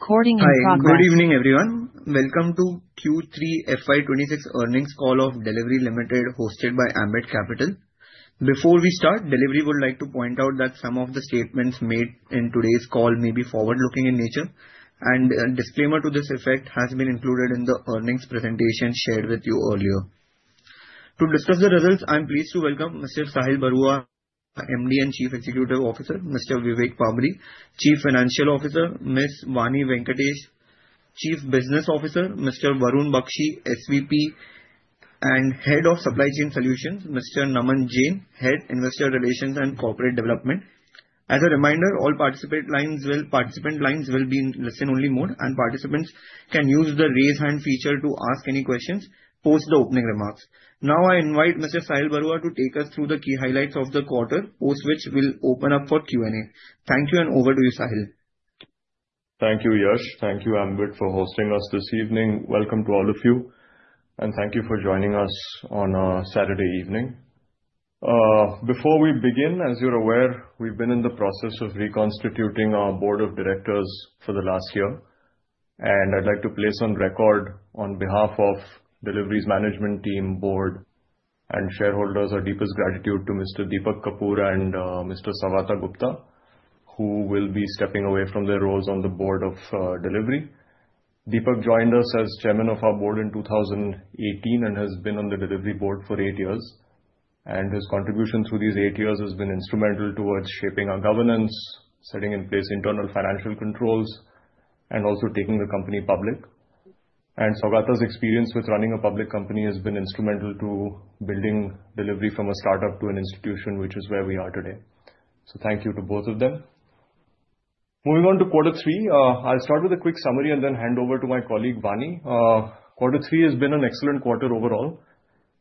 Hi, good evening, everyone. Welcome to Q3 FY 2026 Earnings Call of Delhivery Limited, hosted by Ambit Capital. Before we start, Delhivery would like to point out that some of the statements made in today's call may be forward-looking in nature, and a disclaimer to this effect has been included in the earnings presentation shared with you earlier. To discuss the results, I'm pleased to welcome Mr. Sahil Barua, MD and Chief Executive Officer; Mr. Vivek Pabari, Chief Financial Officer; Ms. Vani Venkatesh, Chief Business Officer; Mr. Varun Bakshi, SVP and Head of Supply Chain Solutions; Mr. Naman Jain, Head, Investor Relations and Corporate Development. As a reminder, all participant lines will be in listen-only mode, and participants can use the Raise Hand feature to ask any questions post the opening remarks. Now, I invite Mr. Sahil Barua to take us through the key highlights of the quarter, post which we'll open up for Q&A. Thank you, and over to you, Sahil. Thank you, Yash. Thank you, Ambit, for hosting us this evening. Welcome to all of you, and thank you for joining us on a Saturday evening. Before we begin, as you're aware, we've been in the process of reconstituting our Board of Directors for the last year, and I'd like to place on record, on behalf of Delhivery's management team, board, and shareholders, our deepest gratitude to Mr. Deepak Kapoor and, Mr. Saugata Gupta, who will be stepping away from their roles on the board of Delhivery. Deepak joined us as chairman of our board in 2018, and has been on the Delhivery board for eight years, and his contribution through these eight years has been instrumental towards shaping our governance, setting in place internal financial controls, and also taking the company public. Saugata's experience with running a public company has been instrumental to building Delhivery from a startup to an institution, which is where we are today. Thank you to both of them. Moving on to quarter three, I'll start with a quick summary and then hand over to my colleague, Vani. Quarter three has been an excellent quarter overall.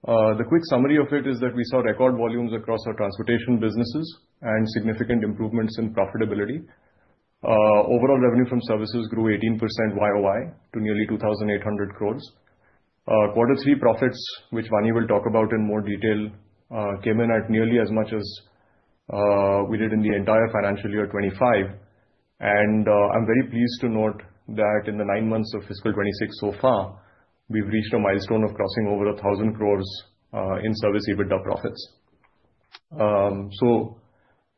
The quick summary of it is that we saw record volumes across our transportation businesses and significant improvements in profitability. Overall revenue from services grew 18% Y-o-Y to nearly 2,800 crores. Quarter three profits, which Vani will talk about in more detail, came in at nearly as much as we did in the entire financial year 2025. I'm very pleased to note that in the nine months of fiscal 2026 so far, we've reached a milestone of crossing over 1,000 crore in Service EBITDA profits. So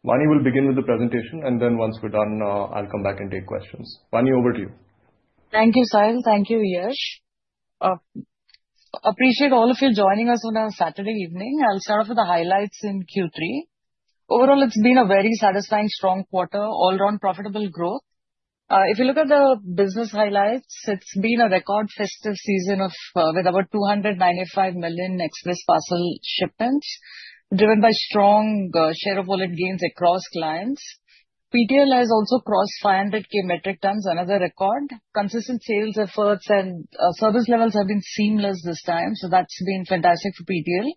Vani will begin with the presentation, and then once we're done, I'll come back and take questions. Vani, over to you. Thank you, Sahil. Thank you, Yash. Appreciate all of you joining us on a Saturday evening. I'll start off with the highlights in Q3. Overall, it's been a very satisfying, strong quarter, all around profitable growth. If you look at the business highlights, it's been a record festive season of with over 295 million express parcel shipments, driven by strong, share of wallet gains across clients. PTL has also crossed 500,000 metric tons, another record. Consistent sales efforts and service levels have been seamless this time, so that's been fantastic for PTL.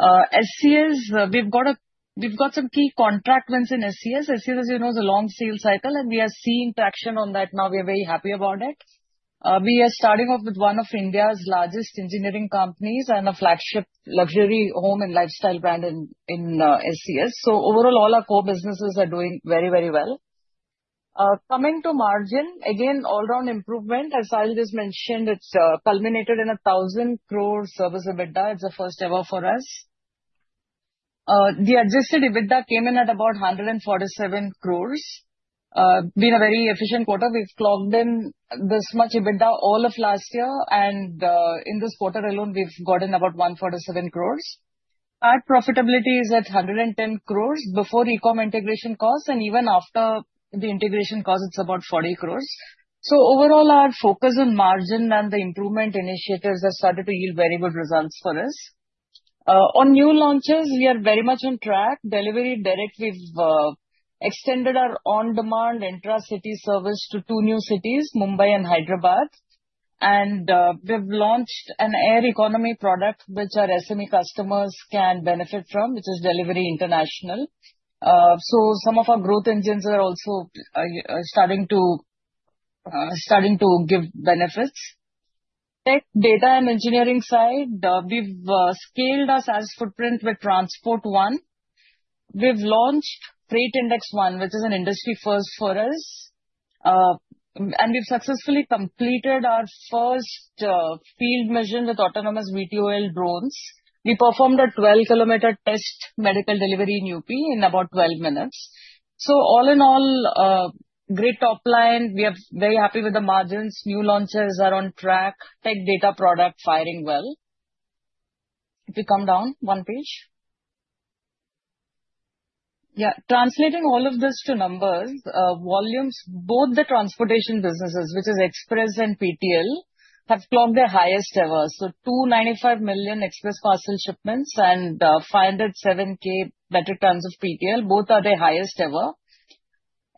SCS, we've got some key contract wins in SCS. SCS, as you know, is a long sales cycle, and we are seeing traction on that now. We are very happy about it. We are starting off with one of India's largest engineering companies and a flagship luxury home and lifestyle brand in SCS. So overall, all our core businesses are doing very, very well. Coming to margin, again, all around improvement. As Sahil just mentioned, it's culminated in 1,000 crore service EBITDA. It's a first ever for us. The adjusted EBITDA came in at about 147 crores. Been a very efficient quarter. We've clocked in this much EBITDA all of last year, and in this quarter alone, we've gotten about 147 crores. Our profitability is at 110 crores before Ecom integration costs, and even after the integration costs, it's about 40 crores. So overall, our focus on margin and the improvement initiatives have started to yield very good results for us. On new launches, we are very much on track. Delhivery Direct, we've extended our on-demand intra-city service to two new cities, Mumbai and Hyderabad. We've launched an air economy product, which our SME customers can benefit from, which is Delhivery International. So some of our growth engines are also starting to give benefits. Tech, data, and engineering side, we've scaled our SaaS footprint with Transport One. We've launched Freight Index One, which is an industry first for us. We've successfully completed our first field mission with autonomous VTOL drones. We performed a 12-kilometer test medical delivery in UP in about 12 minutes. So all in all, great top line. We are very happy with the margins. New launches are on track. Tech data product firing well. If you come down one page. Yeah, translating all of this to numbers, volumes, both the transportation businesses, which is Express and PTL, have clocked their highest ever. So 295 million Express parcel shipments and, 507,000 metric tons of PTL, both are the highest ever.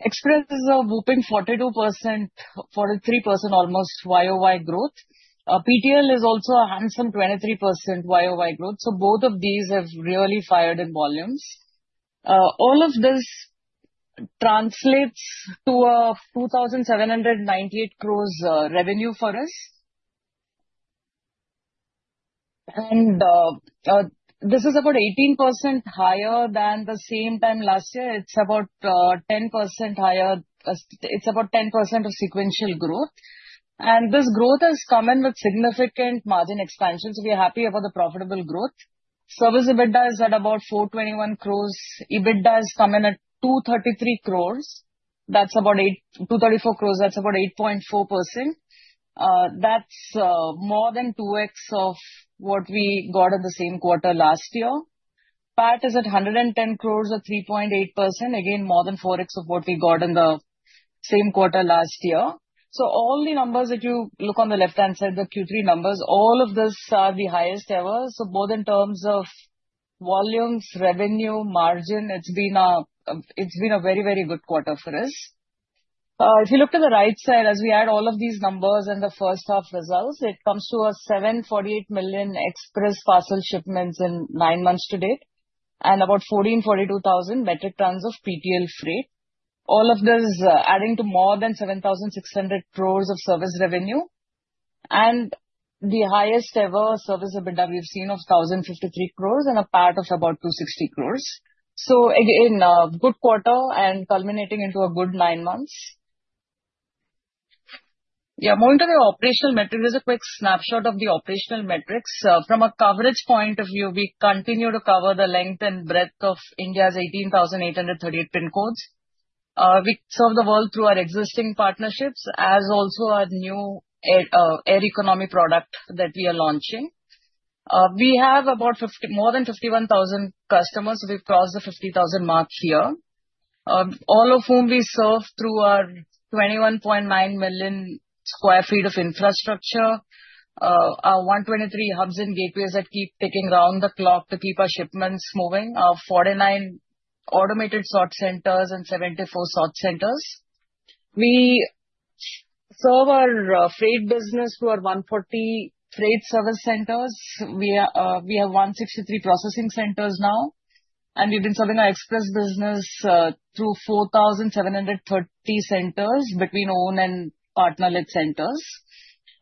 Express is a whopping 42%, 43% almost, YOY growth. PTL is also a handsome 23% Y-o-Y growth, so both of these have really fired in volumes. All of this translates to 2,798 crores revenue for us. And, this is about 18% higher than the same time last year. It's about, 10% higher. It's about 10% sequential growth. And this growth has come in with significant margin expansion, so we are happy about the profitable growth. Service EBITDA is at about 421 crores. EBITDA has come in at 233 crores. That's about 8-- 234 crores, that's about 8.4%. That's more than 2x of what we got at the same quarter last year. PAT is at 110 crores, or 3.8%. Again, more than 4x of what we got in the same quarter last year. So all the numbers, if you look on the left-hand side, the Q3 numbers, all of this are the highest ever. So both in terms of volumes, revenue, margin, it's been a very, very good quarter for us. If you look to the right side, as we add all of these numbers in the first half results, it comes to 748 million express parcel shipments in nine months to date, and about 1,442 thousand metric tons of PTL freight. All of this adding to more than 7,600 crores of service revenue, and the highest ever service EBITDA we've seen, of 1,053 crores and a PAT of about 260 crores. So again, a good quarter and culminating into a good nine months. Yeah, moving to the operational metrics. Just a quick snapshot of the operational metrics. From a coverage point of view, we continue to cover the length and breadth of India's 18,838 pin codes. We serve the world through our existing partnerships, as also our new air economy product that we are launching. We have about more than 51,000 customers, we've crossed the 50,000 mark here, all of whom we serve through our 21.9 million sq ft of infrastructure. Our 123 hubs and gateways that keep ticking around the clock to keep our shipments moving. Our 49 automated sort centers and 74 sort centers. We serve our freight business through our 140 freight service centers. We have 163 processing centers now, and we've been serving our express business through 4,730 centers between owned and partner-led centers.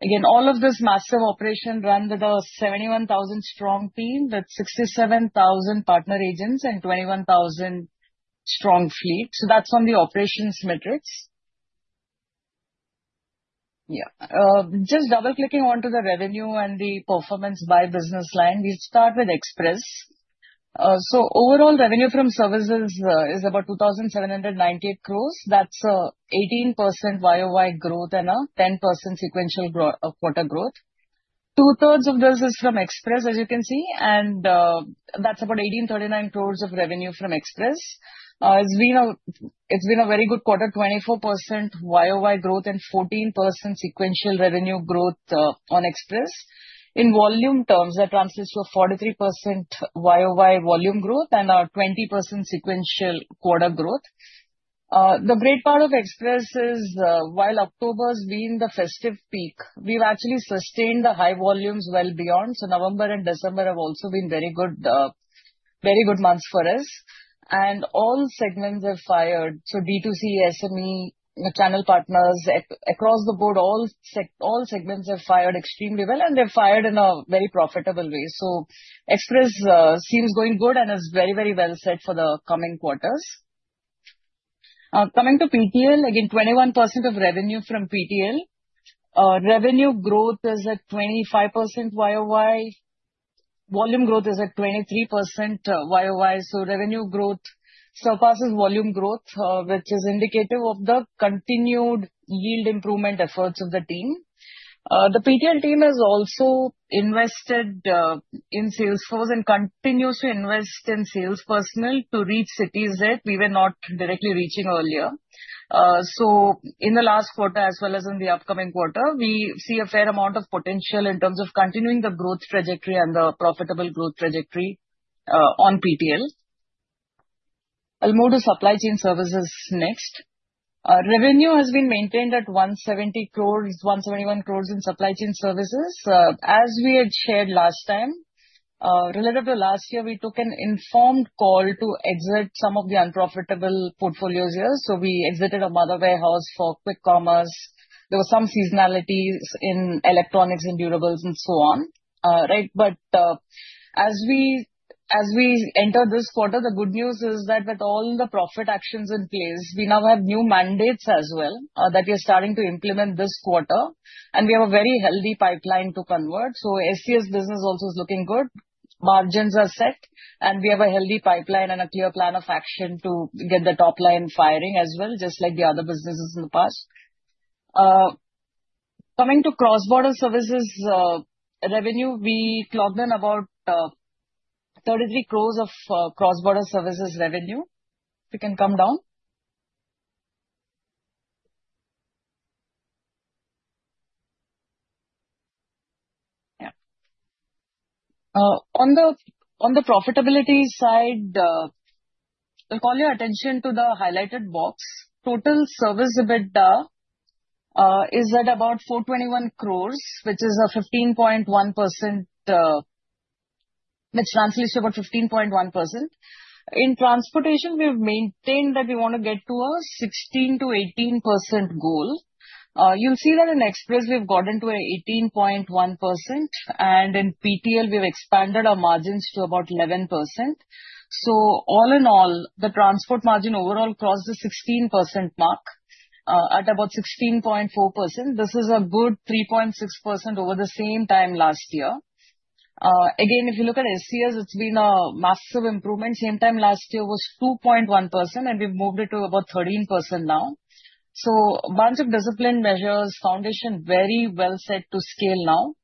Again, all of this massive operation run with a 71,000-strong team, with 67,000 partner agents and 21,000-strong fleet. So that's on the operations metrics. Yeah. Just double-clicking onto the revenue and the performance by business line. We'll start with Express. So overall revenue from services is about 2,798 crores. That's eighteen percent Y-o-Y growth and a ten percent sequential grow, quarter growth. Two-thirds of this is from Express, as you can see, and that's about 1,839 crores of revenue from Express. It's been a, it's been a very good quarter, 24% Y-o-Y growth and 14% sequential revenue growth on Express. In volume terms, that translates to a 43% Y-o-Y volume growth and a 20% sequential quarter growth. The great part of Express is, while October's been the festive peak, we've actually sustained the high volumes well beyond. November and December have also been very good, very good months for us. And all segments have fired. So B2C, SME, the channel partners across the board, all segments have fired extremely well, and they've fired in a very profitable way. So Express seems going good and is very, very well set for the coming quarters. Coming to PTL, again, 21% of revenue from PTL. Revenue growth is at 25% Y-o-Y. Volume growth is at 23% Y-o-Y. So revenue growth surpasses volume growth, which is indicative of the continued yield improvement efforts of the team. The PTL team has also invested in sales force and continues to invest in sales personnel to reach cities that we were not directly reaching earlier. So in the last quarter, as well as in the upcoming quarter, we see a fair amount of potential in terms of continuing the growth trajectory and the profitable growth trajectory, on PTL. I'll move to supply chain services next. Revenue has been maintained at 170 crores, 171 crores in supply chain services. As we had shared last time, relative to last year, we took an informed call to exit some of the unprofitable portfolios here, so we exited a mother warehouse for quick commerce. There were some seasonalities in electronics and durables and so on, right? But, as we, as we enter this quarter, the good news is that with all the profit actions in place, we now have new mandates as well, that we are starting to implement this quarter, and we have a very healthy pipeline to convert. So SCS business also is looking good. Margins are set, and we have a healthy pipeline and a clear plan of action to get the top line firing as well, just like the other businesses in the past. Coming to cross-border services, revenue, we clocked in about, 33 crores of, cross-border services revenue. We can come down. Yeah. On the, on the profitability side, I'll call your attention to the highlighted box. Total service EBITDA, is at about INR 421 crores, which is a 15.1%, which translates to about 15.1%. In transportation, we've maintained that we wanna get to a 16%-18% goal. You'll see that in express we've gotten to 18.1%, and in PTL, we've expanded our margins to about 11%. So all in all, the transport margin overall crossed the 16% mark, at about 16.4%. This is a good 3.6% over the same time last year. Again, if you look at SCS, it's been a massive improvement. Same time last year was 2.1%, and we've moved it to about 13% now. So bunch of discipline measures, foundation very well set to scale now.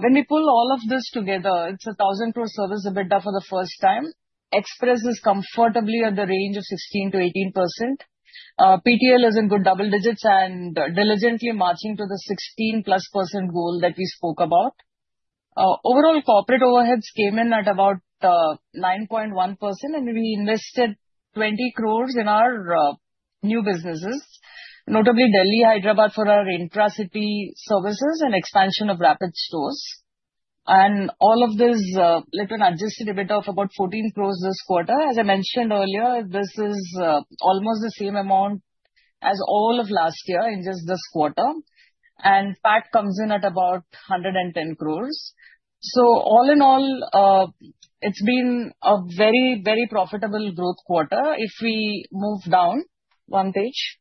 When we pull all of this together, it's 1,000 crore service EBITDA for the first time. Express is comfortably at the range of 16%-18%. PTL is in good double digits and diligently marching to the +16% goal that we spoke about. Overall corporate overheads came in at about 9.1%, and we invested 20 crores in our new businesses, notably Delhi, Hyderabad for our intra-city services and expansion of Rapid stores. And all of this led to an adjusted EBITDA of about 14 crores this quarter. As I mentioned earlier, this is almost the same amount as all of last year in just this quarter, and PAT comes in at about 110 crores. So all in all, it's been a very, very profitable growth quarter. If we move down one page.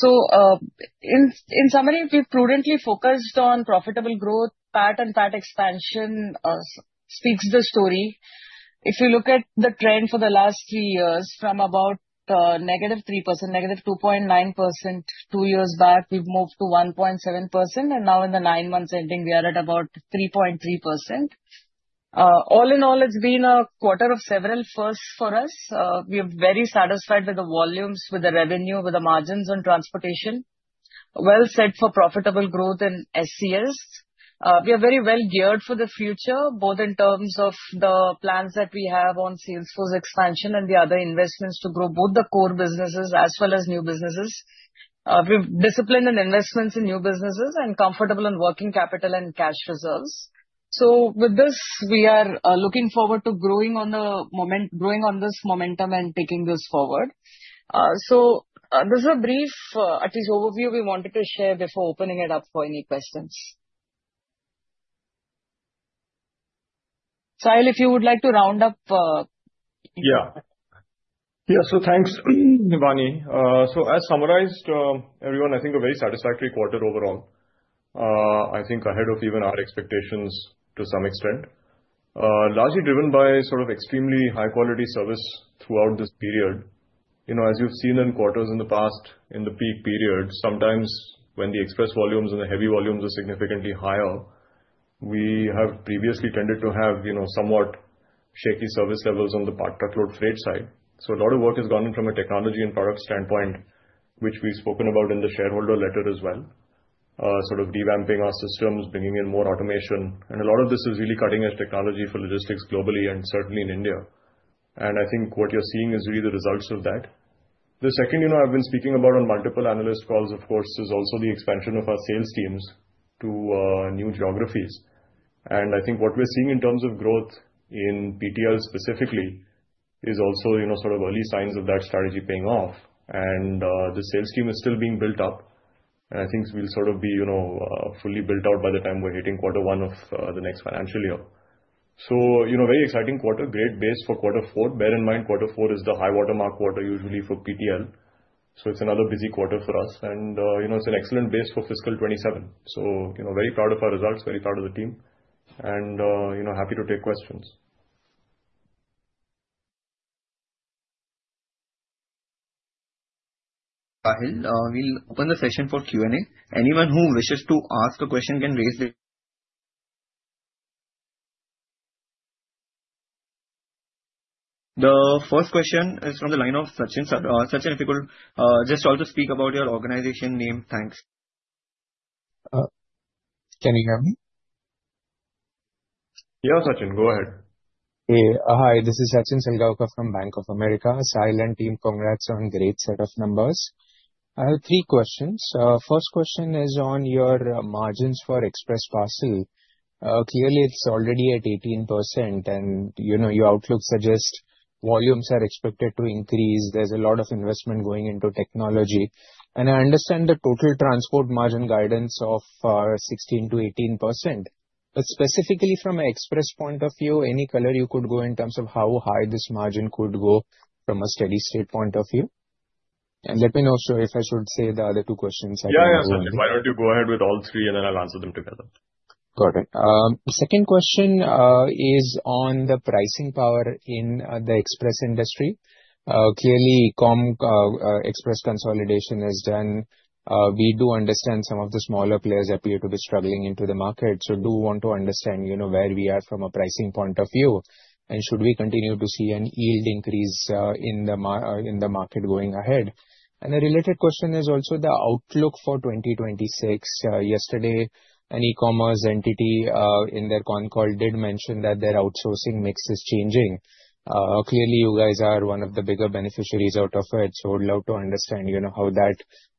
So, in summary, we've prudently focused on profitable growth, PAT and PAT expansion speaks the story. If you look at the trend for the last three years, from about -3%, -2.9% two years back, we've moved to 1.7%, and now in the nine months ending, we are at about 3.3%. All in all, it's been a quarter of several firsts for us. We are very satisfied with the volumes, with the revenue, with the margins on transportation. Well set for profitable growth in SCS. We are very well geared for the future, both in terms of the plans that we have on sales force expansion and the other investments to grow both the core businesses as well as new businesses. We've disciplined in investments in new businesses and comfortable in working capital and cash reserves. So with this, we are looking forward to growing on this momentum and taking this forward. So, this is a brief, at least overview we wanted to share before opening it up for any questions. Sahil, if you would like to round up. Yeah. Yeah, so thanks, Vani. So as summarized, everyone, I think a very satisfactory quarter overall. I think ahead of even our expectations to some extent. Largely driven by sort of extremely high quality service throughout this period. You know, as you've seen in quarters in the past, in the peak period, sometimes when the express volumes and the heavy volumes are significantly higher, we have previously tended to have, you know, somewhat shaky service levels on the part truckload freight side. So a lot of work has gone in from a technology and product standpoint, which we've spoken about in the shareholder letter as well. Sort of revamping our systems, bringing in more automation, and a lot of this is really cutting-edge technology for logistics globally and certainly in India. And I think what you're seeing is really the results of that. The second, you know, I've been speaking about on multiple analyst calls, of course, is also the expansion of our sales teams to new geographies. And I think what we're seeing in terms of growth in PTL specifically is also, you know, sort of early signs of that strategy paying off. And the sales team is still being built up, and I think we'll sort of be, you know, fully built out by the time we're hitting quarter one of the next financial year. So, you know, very exciting quarter. Great base for quarter four. Bear in mind, quarter four is the high water mark quarter usually for PTL, so it's another busy quarter for us. And, you know, it's an excellent base for fiscal 2027. You know, very proud of our results, very proud of the team, and, you know, happy to take questions. Sahil, we'll open the session for Q&A. Anyone who wishes to ask a question can raise their The first question is from the line of Sachin Salgaonkar. Sachin, if you could just also speak about your organization name. Thanks. Can you hear me? Yeah, Sachin, go ahead. Hey. Hi, this is Sachin Salgaonkar from Bank of America. Sahil and team, congrats on great set of numbers. I have three questions. First question is on your margins for express parcel. Clearly, it's already at 18%, and, you know, your outlook suggests volumes are expected to increase. There's a lot of investment going into technology, and I understand the total transport margin guidance of 16%-18%. But specifically from an express point of view, any color you could go in terms of how high this margin could go from a steady state point of view? And let me know, so if I should say the other two questions- Yeah, yeah, absolutely. Why don't you go ahead with all three, and then I'll answer them together. Got it. Second question is on the pricing power in the express industry. Clearly, express consolidation is done. We do understand some of the smaller players appear to be struggling in the market, so we want to understand, you know, where we are from a pricing point of view. And should we continue to see a yield increase in the market going ahead? And a related question is also the outlook for 2026. Yesterday, an e-commerce entity in their con call did mention that their outsourcing mix is changing. Clearly, you guys are one of the bigger beneficiaries out of it, so would love to understand, you know, how that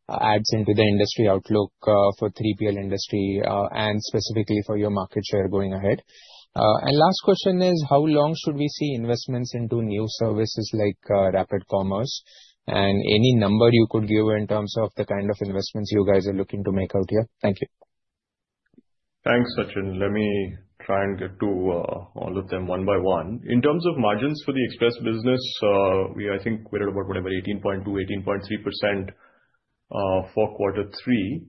adds into the industry outlook for 3PL industry and specifically for your market share going ahead. And last question is: How long should we see investments into new services like Rapid commerce? And any number you could give in terms of the kind of investments you guys are looking to make out here. Thank you. Thanks, Sachin. Let me try and get to, all of them one by one. In terms of margins for the Express business, we, I think we're at about whatever, 18.2%-18.3% for quarter three.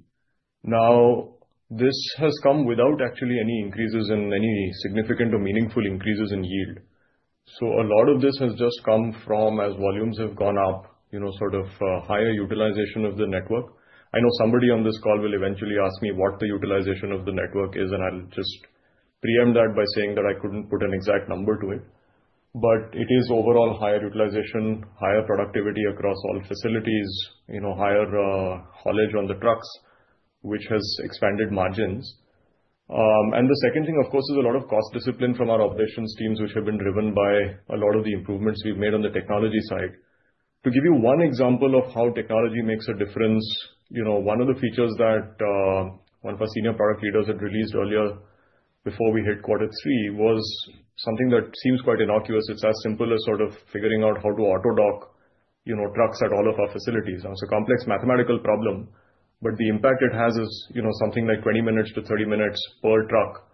Now, this has come without actually any increases in, any significant or meaningful increases in yield. So a lot of this has just come from, as volumes have gone up, you know, sort of, higher utilization of the network. I know somebody on this call will eventually ask me what the utilization of the network is, and I'll just preempt that by saying that I couldn't put an exact number to it, but it is overall higher utilization, higher productivity across all facilities, you know, higher, haulage on the trucks, which has expanded margins. And the second thing, of course, is a lot of cost discipline from our operations teams, which have been driven by a lot of the improvements we've made on the technology side. To give you one example of how technology makes a difference, you know, one of the features that, one of our senior product leaders had released earlier before we hit quarter three, was something that seems quite innocuous. It's as simple as sort of figuring out how to auto-dock, you know, trucks at all of our facilities. Now, it's a complex mathematical problem, but the impact it has is, you know, something like 20-30 minutes per truck.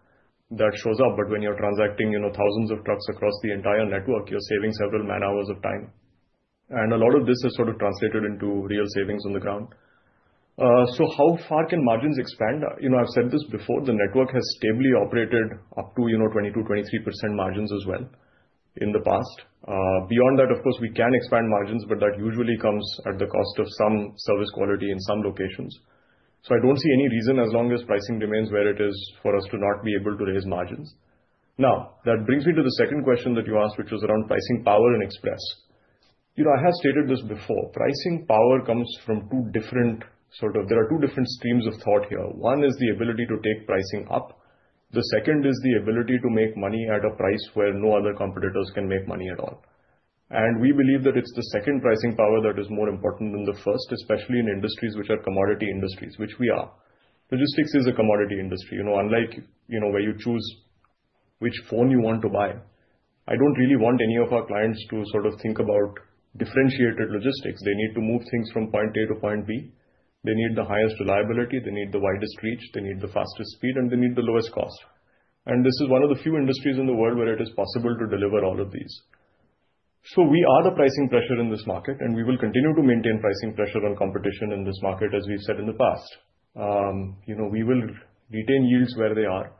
That shows up, but when you're transacting, you know, thousands of trucks across the entire network, you're saving several man-hours of time. A lot of this has sort of translated into real savings on the ground. How far can margins expand? You know, I've said this before, the network has stably operated up to, you know, 22%-23% margins as well in the past. Beyond that, of course, we can expand margins, but that usually comes at the cost of some service quality in some locations. I don't see any reason, as long as pricing remains where it is, for us to not be able to raise margins. Now, that brings me to the second question that you asked, which was around pricing power and Express. You know, I have stated this before, pricing power comes from two different... sort of, there are two different streams of thought here. One is the ability to take pricing up. The second is the ability to make money at a price where no other competitors can make money at all. We believe that it's the second pricing power that is more important than the first, especially in industries which are commodity industries, which we are. Logistics is a commodity industry. You know, unlike, you know, where you choose which phone you want to buy, I don't really want any of our clients to sort of think about differentiated logistics. They need to move things from point A to point B. They need the highest reliability, they need the widest reach, they need the fastest speed, and they need the lowest cost. This is one of the few industries in the world where it is possible to deliver all of these. So we are the pricing pressure in this market, and we will continue to maintain pricing pressure on competition in this market, as we've said in the past. You know, we will retain yields where they are.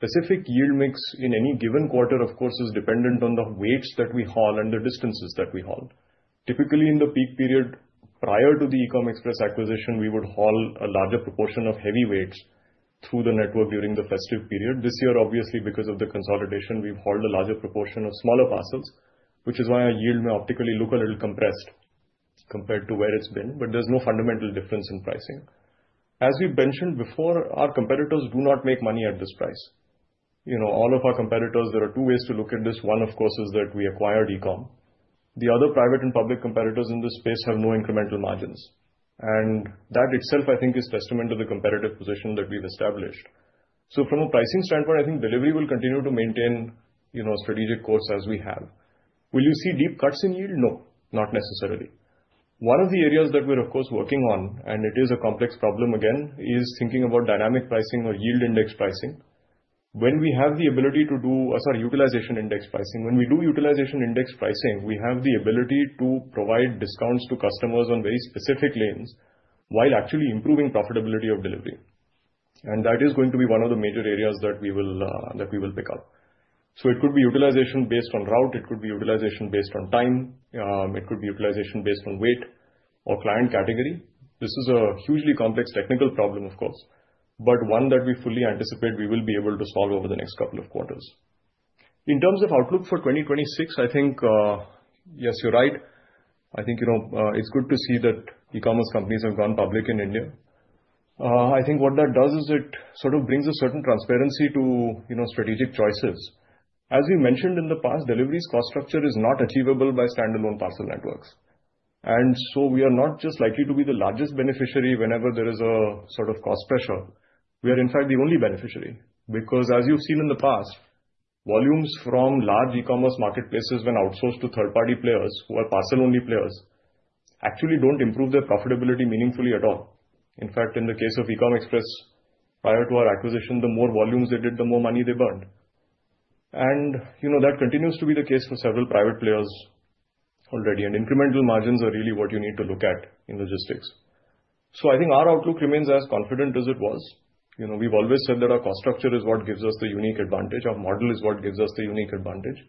Specific yield mix in any given quarter, of course, is dependent on the weights that we haul and the distances that we haul. Typically, in the peak period, prior to the Ecom Express acquisition, we would haul a larger proportion of heavy weights through the network during the festive period. This year, obviously, because of the consolidation, we've hauled a larger proportion of smaller parcels, which is why our yield may optically look a little compressed compared to where it's been, but there's no fundamental difference in pricing. As we've mentioned before, our competitors do not make money at this price. You know, all of our competitors, there are two ways to look at this. One, of course, is that we acquired Ecom. The other private and public competitors in this space have no incremental margins, and that itself, I think, is testament to the competitive position that we've established. So from a pricing standpoint, I think Delhivery will continue to maintain, you know, strategic course as we have. Will you see deep cuts in yield? No, not necessarily. One of the areas that we're of course working on, and it is a complex problem again, is thinking about dynamic pricing or yield index pricing. When we have the ability to do utilization index pricing. When we do utilization index pricing, we have the ability to provide discounts to customers on very specific lanes while actually improving profitability of Delhivery. That is going to be one of the major areas that we will, that we will pick up. It could be utilization based on route, it could be utilization based on time, it could be utilization based on weight or client category. This is a hugely complex technical problem, of course, but one that we fully anticipate we will be able to solve over the next couple of quarters. In terms of outlook for 2026, I think, yes, you're right. I think, you know, it's good to see that e-commerce companies have gone public in India. I think what that does is it sort of brings a certain transparency to, you know, strategic choices. As we mentioned in the past, Delhivery's cost structure is not achievable by standalone parcel networks. And so we are not just likely to be the largest beneficiary whenever there is a sort of cost pressure. We are, in fact, the only beneficiary, because as you've seen in the past, volumes from large e-commerce marketplaces when outsourced to third-party players, who are parcel-only players, actually don't improve their profitability meaningfully at all. In fact, in the case of Ecom Express, prior to our acquisition, the more volumes they did, the more money they burned. And, you know, that continues to be the case for several private players already, and incremental margins are really what you need to look at in logistics. So I think our outlook remains as confident as it was. You know, we've always said that our cost structure is what gives us the unique advantage. Our model is what gives us the unique advantage.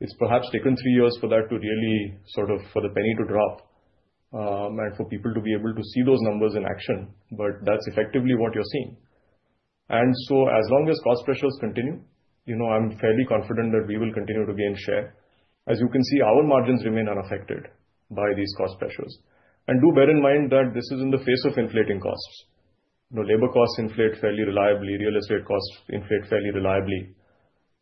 It's perhaps taken three years for that to really, sort of, for the penny to drop, and for people to be able to see those numbers in action, but that's effectively what you're seeing. And so as long as cost pressures continue, you know, I'm fairly confident that we will continue to gain share. As you can see, our margins remain unaffected by these cost pressures. And do bear in mind that this is in the face of inflating costs. You know, labor costs inflate fairly reliably, real estate costs inflate fairly reliably,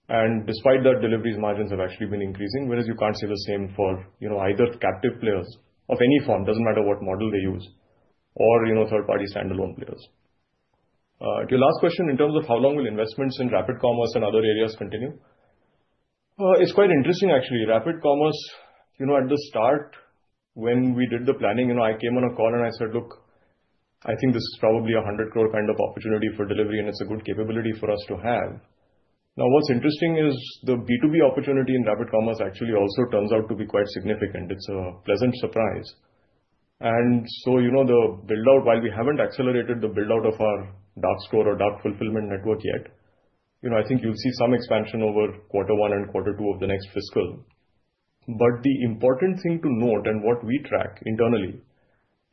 and despite that, deliveries margins have actually been increasing, whereas you can't say the same for, you know, either captive players of any form, doesn't matter what model they use, or, you know, third-party standalone players. To your last question, in terms of how long will investments in Rapid commerce and other areas continue? Well, it's quite interesting, actually. Rapid commerce, you know, at the start, when we did the planning, you know, I came on a call and I said: "Look, I think this is probably 100 crore kind of opportunity for Delhivery, and it's a good capability for us to have." Now, what's interesting is the B2B opportunity in Rapid commerce actually also turns out to be quite significant. It's a pleasant surprise. And so, you know, the build-out, while we haven't accelerated the build-out of our dark store or dark fulfillment network yet, you know, I think you'll see some expansion over quarter one and quarter two of the next fiscal. But the important thing to note, and what we track internally,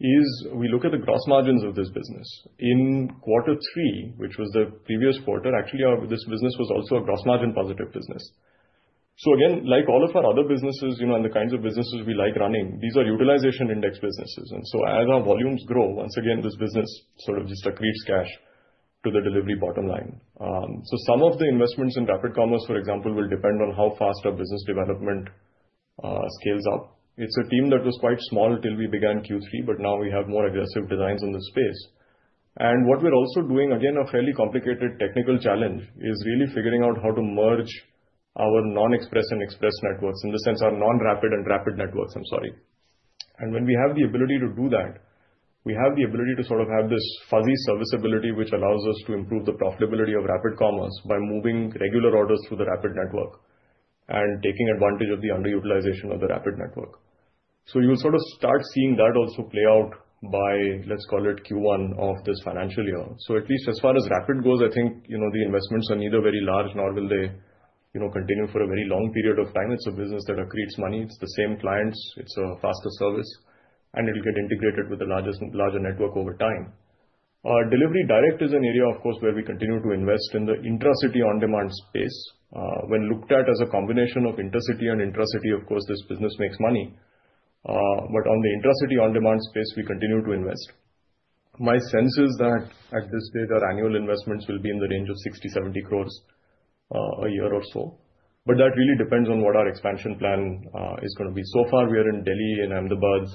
is we look at the gross margins of this business. In quarter three, which was the previous quarter, actually, our this business was also a gross margin positive business. So again, like all of our other businesses, you know, and the kinds of businesses we like running, these are utilization index businesses, and so as our volumes grow, once again, this business sort of just accretes cash to the Delhivery bottom line. So some of the investments in Rapid commerce, for example, will depend on how fast our business development scales up. It's a team that was quite small until we began Q3, but now we have more aggressive designs in this space. And what we're also doing, again, a fairly complicated technical challenge, is really figuring out how to merge our non-express and express networks, in the sense our non-rapid and rapid networks, I'm sorry. When we have the ability to do that, we have the ability to sort of have this fuzzy service ability, which allows us to improve the profitability of Rapid Commerce by moving regular orders through the Rapid network and taking advantage of the underutilization of the Rapid network. You'll sort of start seeing that also play out by, let's call it, Q1 of this financial year. At least as far as Rapid goes, I think, you know, the investments are neither very large nor will they, you know, continue for a very long period of time. It's a business that accretes money. It's the same clients, it's a faster service, and it'll get integrated with the largest, larger network over time. Our Delhivery Direct is an area, of course, where we continue to invest in the intra-city on-demand space. When looked at as a combination of intercity and intracity, of course, this business makes money, but on the intracity on-demand space, we continue to invest. My sense is that at this stage, our annual investments will be in the range of 60 crores-70 crores a year or so, but that really depends on what our expansion plan is gonna be. So far, we are in Delhi and Ahmedabad,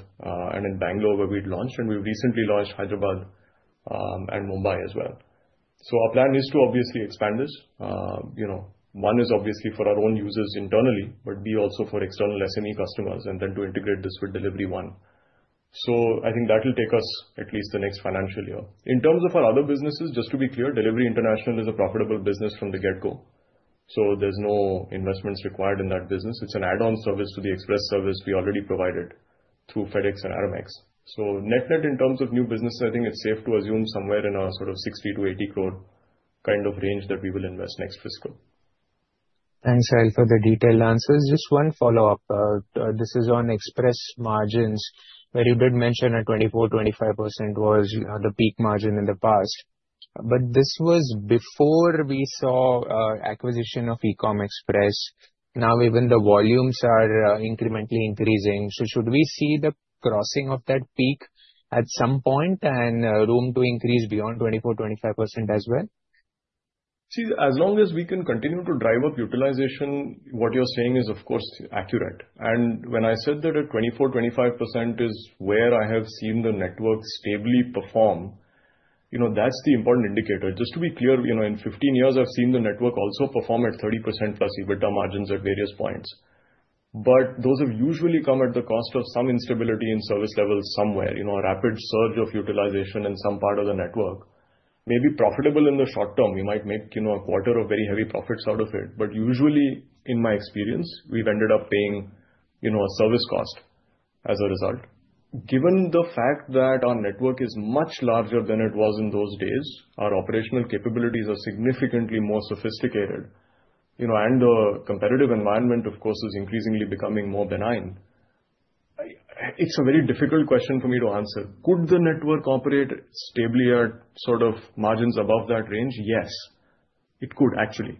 and in Bangalore, where we've launched, and we've recently launched Hyderabad and Mumbai as well. So our plan is to obviously expand this. You know, one is obviously for our own users internally, but also for external SME customers, and then to integrate this with Delhivery One. So I think that will take us at least the next financial year. In terms of our other businesses, just to be clear, Delhivery International is a profitable business from the get-go, so there's no investments required in that business. It's an add-on service to the express service we already provided through FedEx and Aramex. So net-net, in terms of new business, I think it's safe to assume somewhere in our sort of 60 crore-80 crore kind of range that we will invest next fiscal. Thanks, Sahil, for the detailed answers. Just one follow-up. This is on express margins, where you did mention at 24%-25% was the peak margin in the past. But this was before we saw acquisition of Ecom Express. Now, even the volumes are incrementally increasing, so should we see the crossing of that peak at some point and room to increase beyond 24%-25% as well? See, as long as we can continue to drive up utilization, what you're saying is, of course, accurate. And when I said that at 24%, 25% is where I have seen the network stably perform, you know, that's the important indicator. Just to be clear, you know, in 15 years, I've seen the network also perform at +30% EBITDA margins at various points. But those have usually come at the cost of some instability in service levels somewhere, you know, a rapid surge of utilization in some part of the network. Maybe profitable in the short term, we might make, you know, a quarter of very heavy profits out of it, but usually, in my experience, we've ended up paying, you know, a service cost as a result. Given the fact that our network is much larger than it was in those days, our operational capabilities are significantly more sophisticated, you know, and the competitive environment, of course, is increasingly becoming more benign. It's a very difficult question for me to answer. Could the network operate stabler, sort of margins above that range? Yes, it could, actually.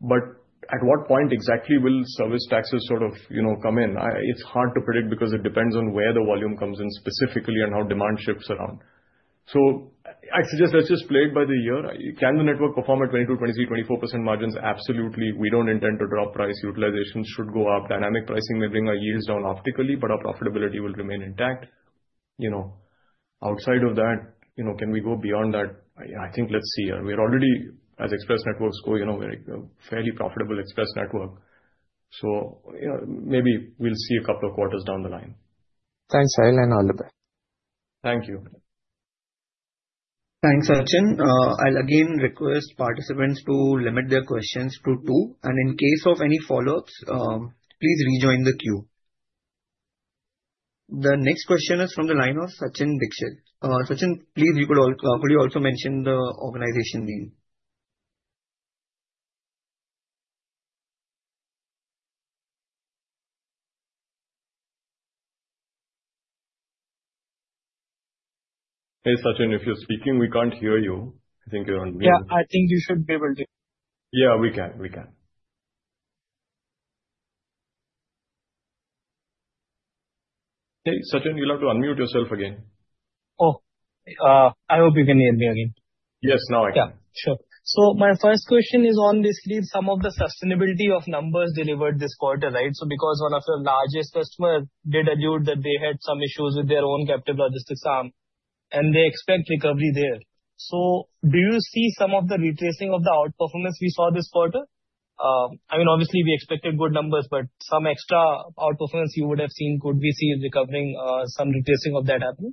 But at what point exactly will service taxes sort of, you know, come in? I, it's hard to predict, because it depends on where the volume comes in specifically and how demand shifts around. So I suggest let's just play it by the year. Can the network perform at 22%, 23%, 24% margins? Absolutely. We don't intend to drop price. Utilization should go up. Dynamic pricing may bring our yields down optically, but our profitability will remain intact. You know, outside of that, you know, can we go beyond that? I think let's see. We're already, as express networks go, you know, very, a fairly profitable express network, so, you know, maybe we'll see a couple of quarters down the line. Thanks, Sahil, and all the best. Thank you. Thanks, Sachin. I'll again request participants to limit their questions to two, and in case of any follow-ups, please rejoin the queue. The next question is from the line of Sachin Dixit. Sachin, please, could you also mention the organization name? Hey, Sachin, if you're speaking, we can't hear you. I think you're on mute. Yeah, I think you should be able to. Yeah, we can. We can. Hey, Sachin, you'll have to unmute yourself again. Oh, I hope you can hear me again. Yes, now I can. Yeah, sure. So my first question is on basically some of the sustainability of numbers delivered this quarter, right? So because one of your largest customer did allude that they had some issues with their own captive logistics arm. And they expect recovery there. So do you see some of the retracing of the outperformance we saw this quarter? I mean, obviously, we expected good numbers, but some extra outperformance you would have seen, could we see recovering, some retracing of that happening?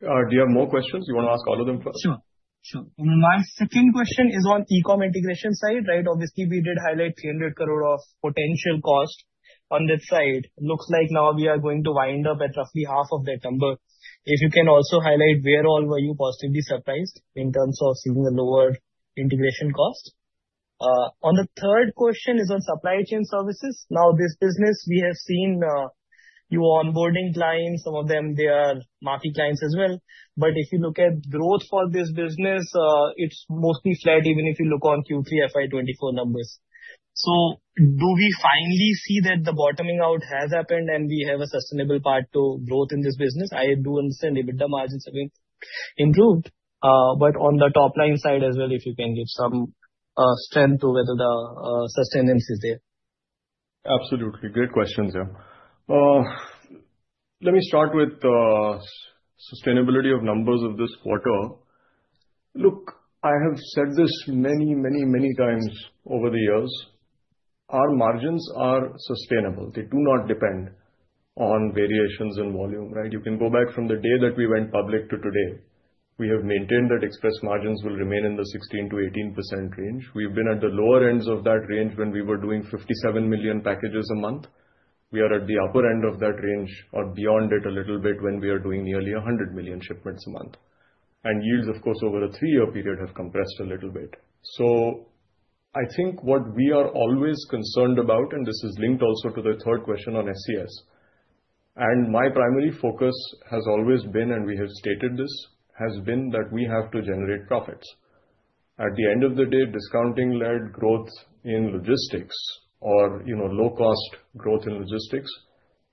Do you have more questions? You want to ask all of them first. Sure, sure. My second question is on e-com integration side, right? Obviously, we did highlight 300 crore of potential cost on that side. Looks like now we are going to wind up at roughly half of that number. If you can also highlight where all were you positively surprised in terms of seeing a lower integration cost. On the third question is on supply chain services. Now, this business, we have seen, you onboarding clients, some of them they are marquee clients as well. But if you look at growth for this business, it's mostly flat, even if you look on Q3 FY 2024 numbers. So do we finally see that the bottoming out has happened, and we have a sustainable path to growth in this business? I do understand EBITDA margins have been improved, but on the top-line side as well, if you can give some strength to whether the sustenance is there. Absolutely. Great questions, yeah. Let me start with sustainability of numbers of this quarter. Look, I have said this many, many, many times over the years, our margins are sustainable. They do not depend on variations in volume, right? You can go back from the day that we went public to today, we have maintained that express margins will remain in the 16%-18% range. We've been at the lower ends of that range when we were doing 57 million packages a month. We are at the upper end of that range or beyond it a little bit when we are doing nearly 100 million shipments a month. And yes, of course, over a three-year period, have compressed a little bit. So I think what we are always concerned about, and this is linked also to the third question on SCS, and my primary focus has always been, and we have stated this, has been that we have to generate profits. At the end of the day, discounting-led growth in logistics or, you know, low-cost growth in logistics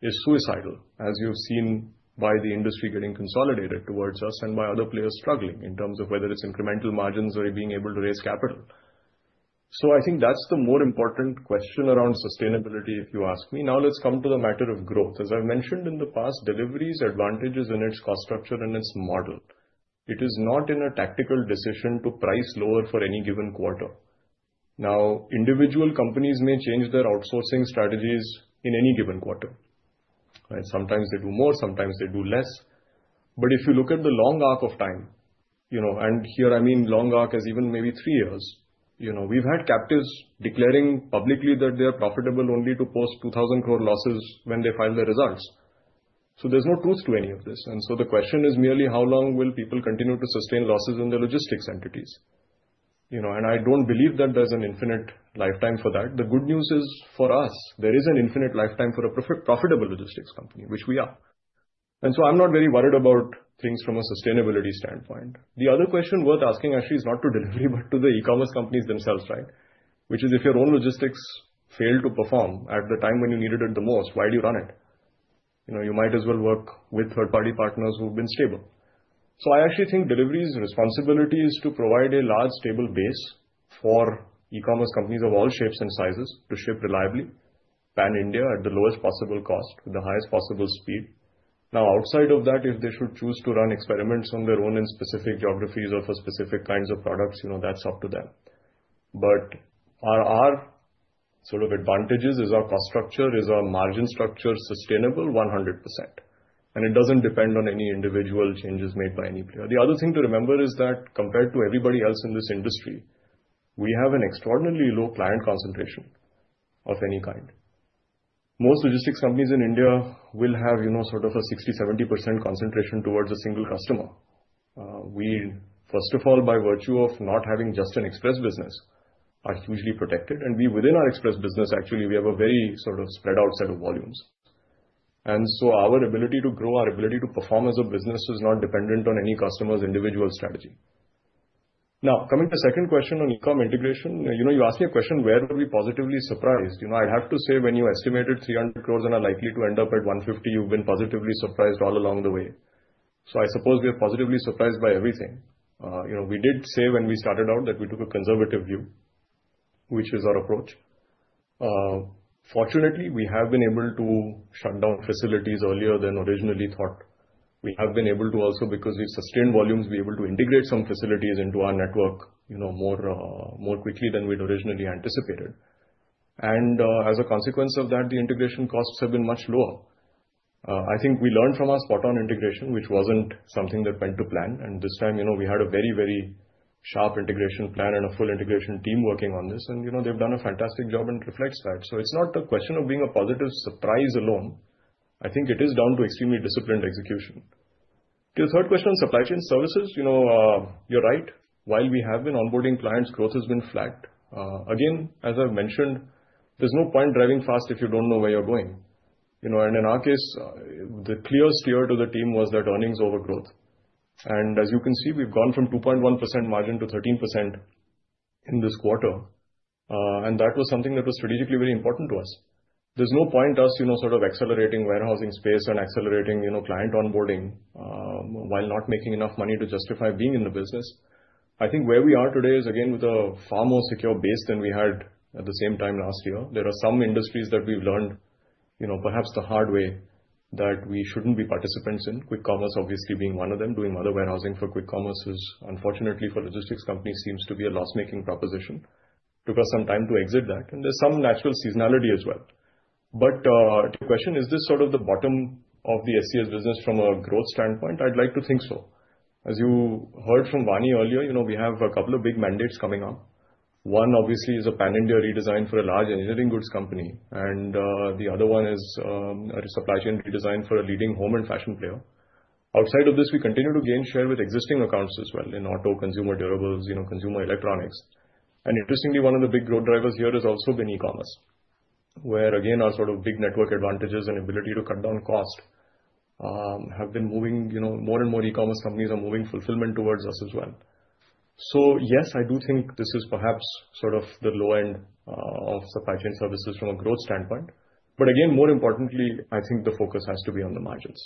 is suicidal, as you've seen by the industry getting consolidated towards us and by other players struggling in terms of whether it's incremental margins or being able to raise capital. So I think that's the more important question around sustainability, if you ask me. Now, let's come to the matter of growth. As I mentioned in the past, Delhivery's advantage is in its cost structure and its model. It is not in a tactical decision to price lower for any given quarter. Now, individual companies may change their outsourcing strategies in any given quarter, right? Sometimes they do more, sometimes they do less. But if you look at the long arc of time, you know, and here I mean long arc as even maybe three years, you know, we've had captives declaring publicly that they are profitable only to post 2,000 crore losses when they file their results. So there's no truth to any of this. And so the question is merely how long will people continue to sustain losses in their logistics entities? You know, and I don't believe that there's an infinite lifetime for that. The good news is, for us, there is an infinite lifetime for a profitable logistics company, which we are. And so I'm not very worried about things from a sustainability standpoint. The other question worth asking actually is not to Delhivery, but to the e-commerce companies themselves, right? Which is if your own logistics fail to perform at the time when you needed it the most, why do you run it? You know, you might as well work with third-party partners who've been stable. So I actually think Delhivery's responsibility is to provide a large, stable base for e-commerce companies of all shapes and sizes to ship reliably pan-India at the lowest possible cost, with the highest possible speed. Now, outside of that, if they should choose to run experiments on their own in specific geographies or for specific kinds of products, you know, that's up to them. But are our sort of advantages, is our cost structure, is our margin structure sustainable? 100%, and it doesn't depend on any individual changes made by any player. The other thing to remember is that compared to everybody else in this industry, we have an extraordinarily low client concentration of any kind. Most logistics companies in India will have, you know, sort of a 60%-70% concentration towards a single customer. We, first of all, by virtue of not having just an express business, are hugely protected. And we, within our express business, actually, we have a very sort of spread out set of volumes. And so our ability to grow, our ability to perform as a business is not dependent on any customer's individual strategy. Now, coming to the second question on e-com integration, you know, you asked me a question, where are we positively surprised? You know, I'd have to say, when you estimated 300 crores and are likely to end up at 150 crores, you've been positively surprised all along the way. I suppose we are positively surprised by everything. You know, we did say when we started out that we took a conservative view, which is our approach. Fortunately, we have been able to shut down facilities earlier than originally thought. We have been able to also, because we've sustained volumes, we're able to integrate some facilities into our network, you know, more quickly than we'd originally anticipated. And, as a consequence of that, the integration costs have been much lower. I think we learned from our Spoton integration, which wasn't something that went to plan. And this time, you know, we had a very, very sharp integration plan and a full integration team working on this, and, you know, they've done a fantastic job and reflects that. So it's not a question of being a positive surprise alone. I think it is down to extremely disciplined execution. The third question on supply chain services, you know, you're right. While we have been onboarding clients, growth has been flat. Again, as I've mentioned, there's no point driving fast if you don't know where you're going. You know, and in our case, the clear steer to the team was that earnings over growth. And as you can see, we've gone from 2.1% margin to 13% in this quarter. And that was something that was strategically very important to us. There's no point us, you know, sort of accelerating warehousing space and accelerating, you know, client onboarding, while not making enough money to justify being in the business. I think where we are today is, again, with a far more secure base than we had at the same time last year. There are some industries that we've learned the hard way that we shouldn't be participants in, quick commerce obviously being one of them. Doing other warehousing for quick commerce is, unfortunately, for logistics companies, seems to be a loss-making proposition. Took us some time to exit that, and there's some natural seasonality as well. But to your question, is this sort of the bottom of the SCS business from a growth standpoint? I'd like to think so. As you heard from Vani earlier, you know, we have a couple of big mandates coming on. One, obviously, is a pan-India redesign for a large engineering goods company, and the other one is a supply chain redesign for a leading home and fashion player. Outside of this, we continue to gain share with existing accounts as well, in auto, consumer durables, you know, consumer electronics. Interestingly, one of the big growth drivers here has also been e-commerce, where, again, our sort of big network advantages and ability to cut down cost, have been moving... You know, more and more e-commerce companies are moving fulfillment towards us as well. So yes, I do think this is perhaps sort of the low end, of supply chain services from a growth standpoint. But again, more importantly, I think the focus has to be on the margins.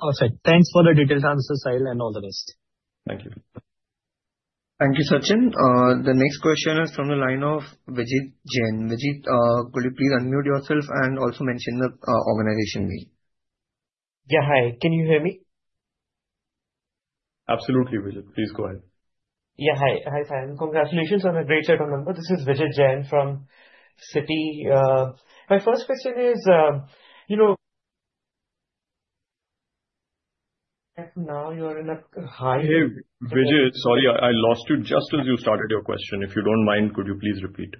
Awesome. Thanks for the detailed answers, Sahil, and all the best. Thank you. Thank you, Sachin. The next question is from the line of Vijit Jain. Vijit, could you please unmute yourself and also mention the organization name? Yeah, hi. Can you hear me? Absolutely, Vijit. Please go ahead. Yeah, hi. Hi, Sahil. Congratulations on a great set of numbers. This is Vijit Jain from Citi. My first question is, you know, and now you're in a high- Hey, Vijit, sorry, I lost you just as you started your question. If you don't mind, could you please repeat?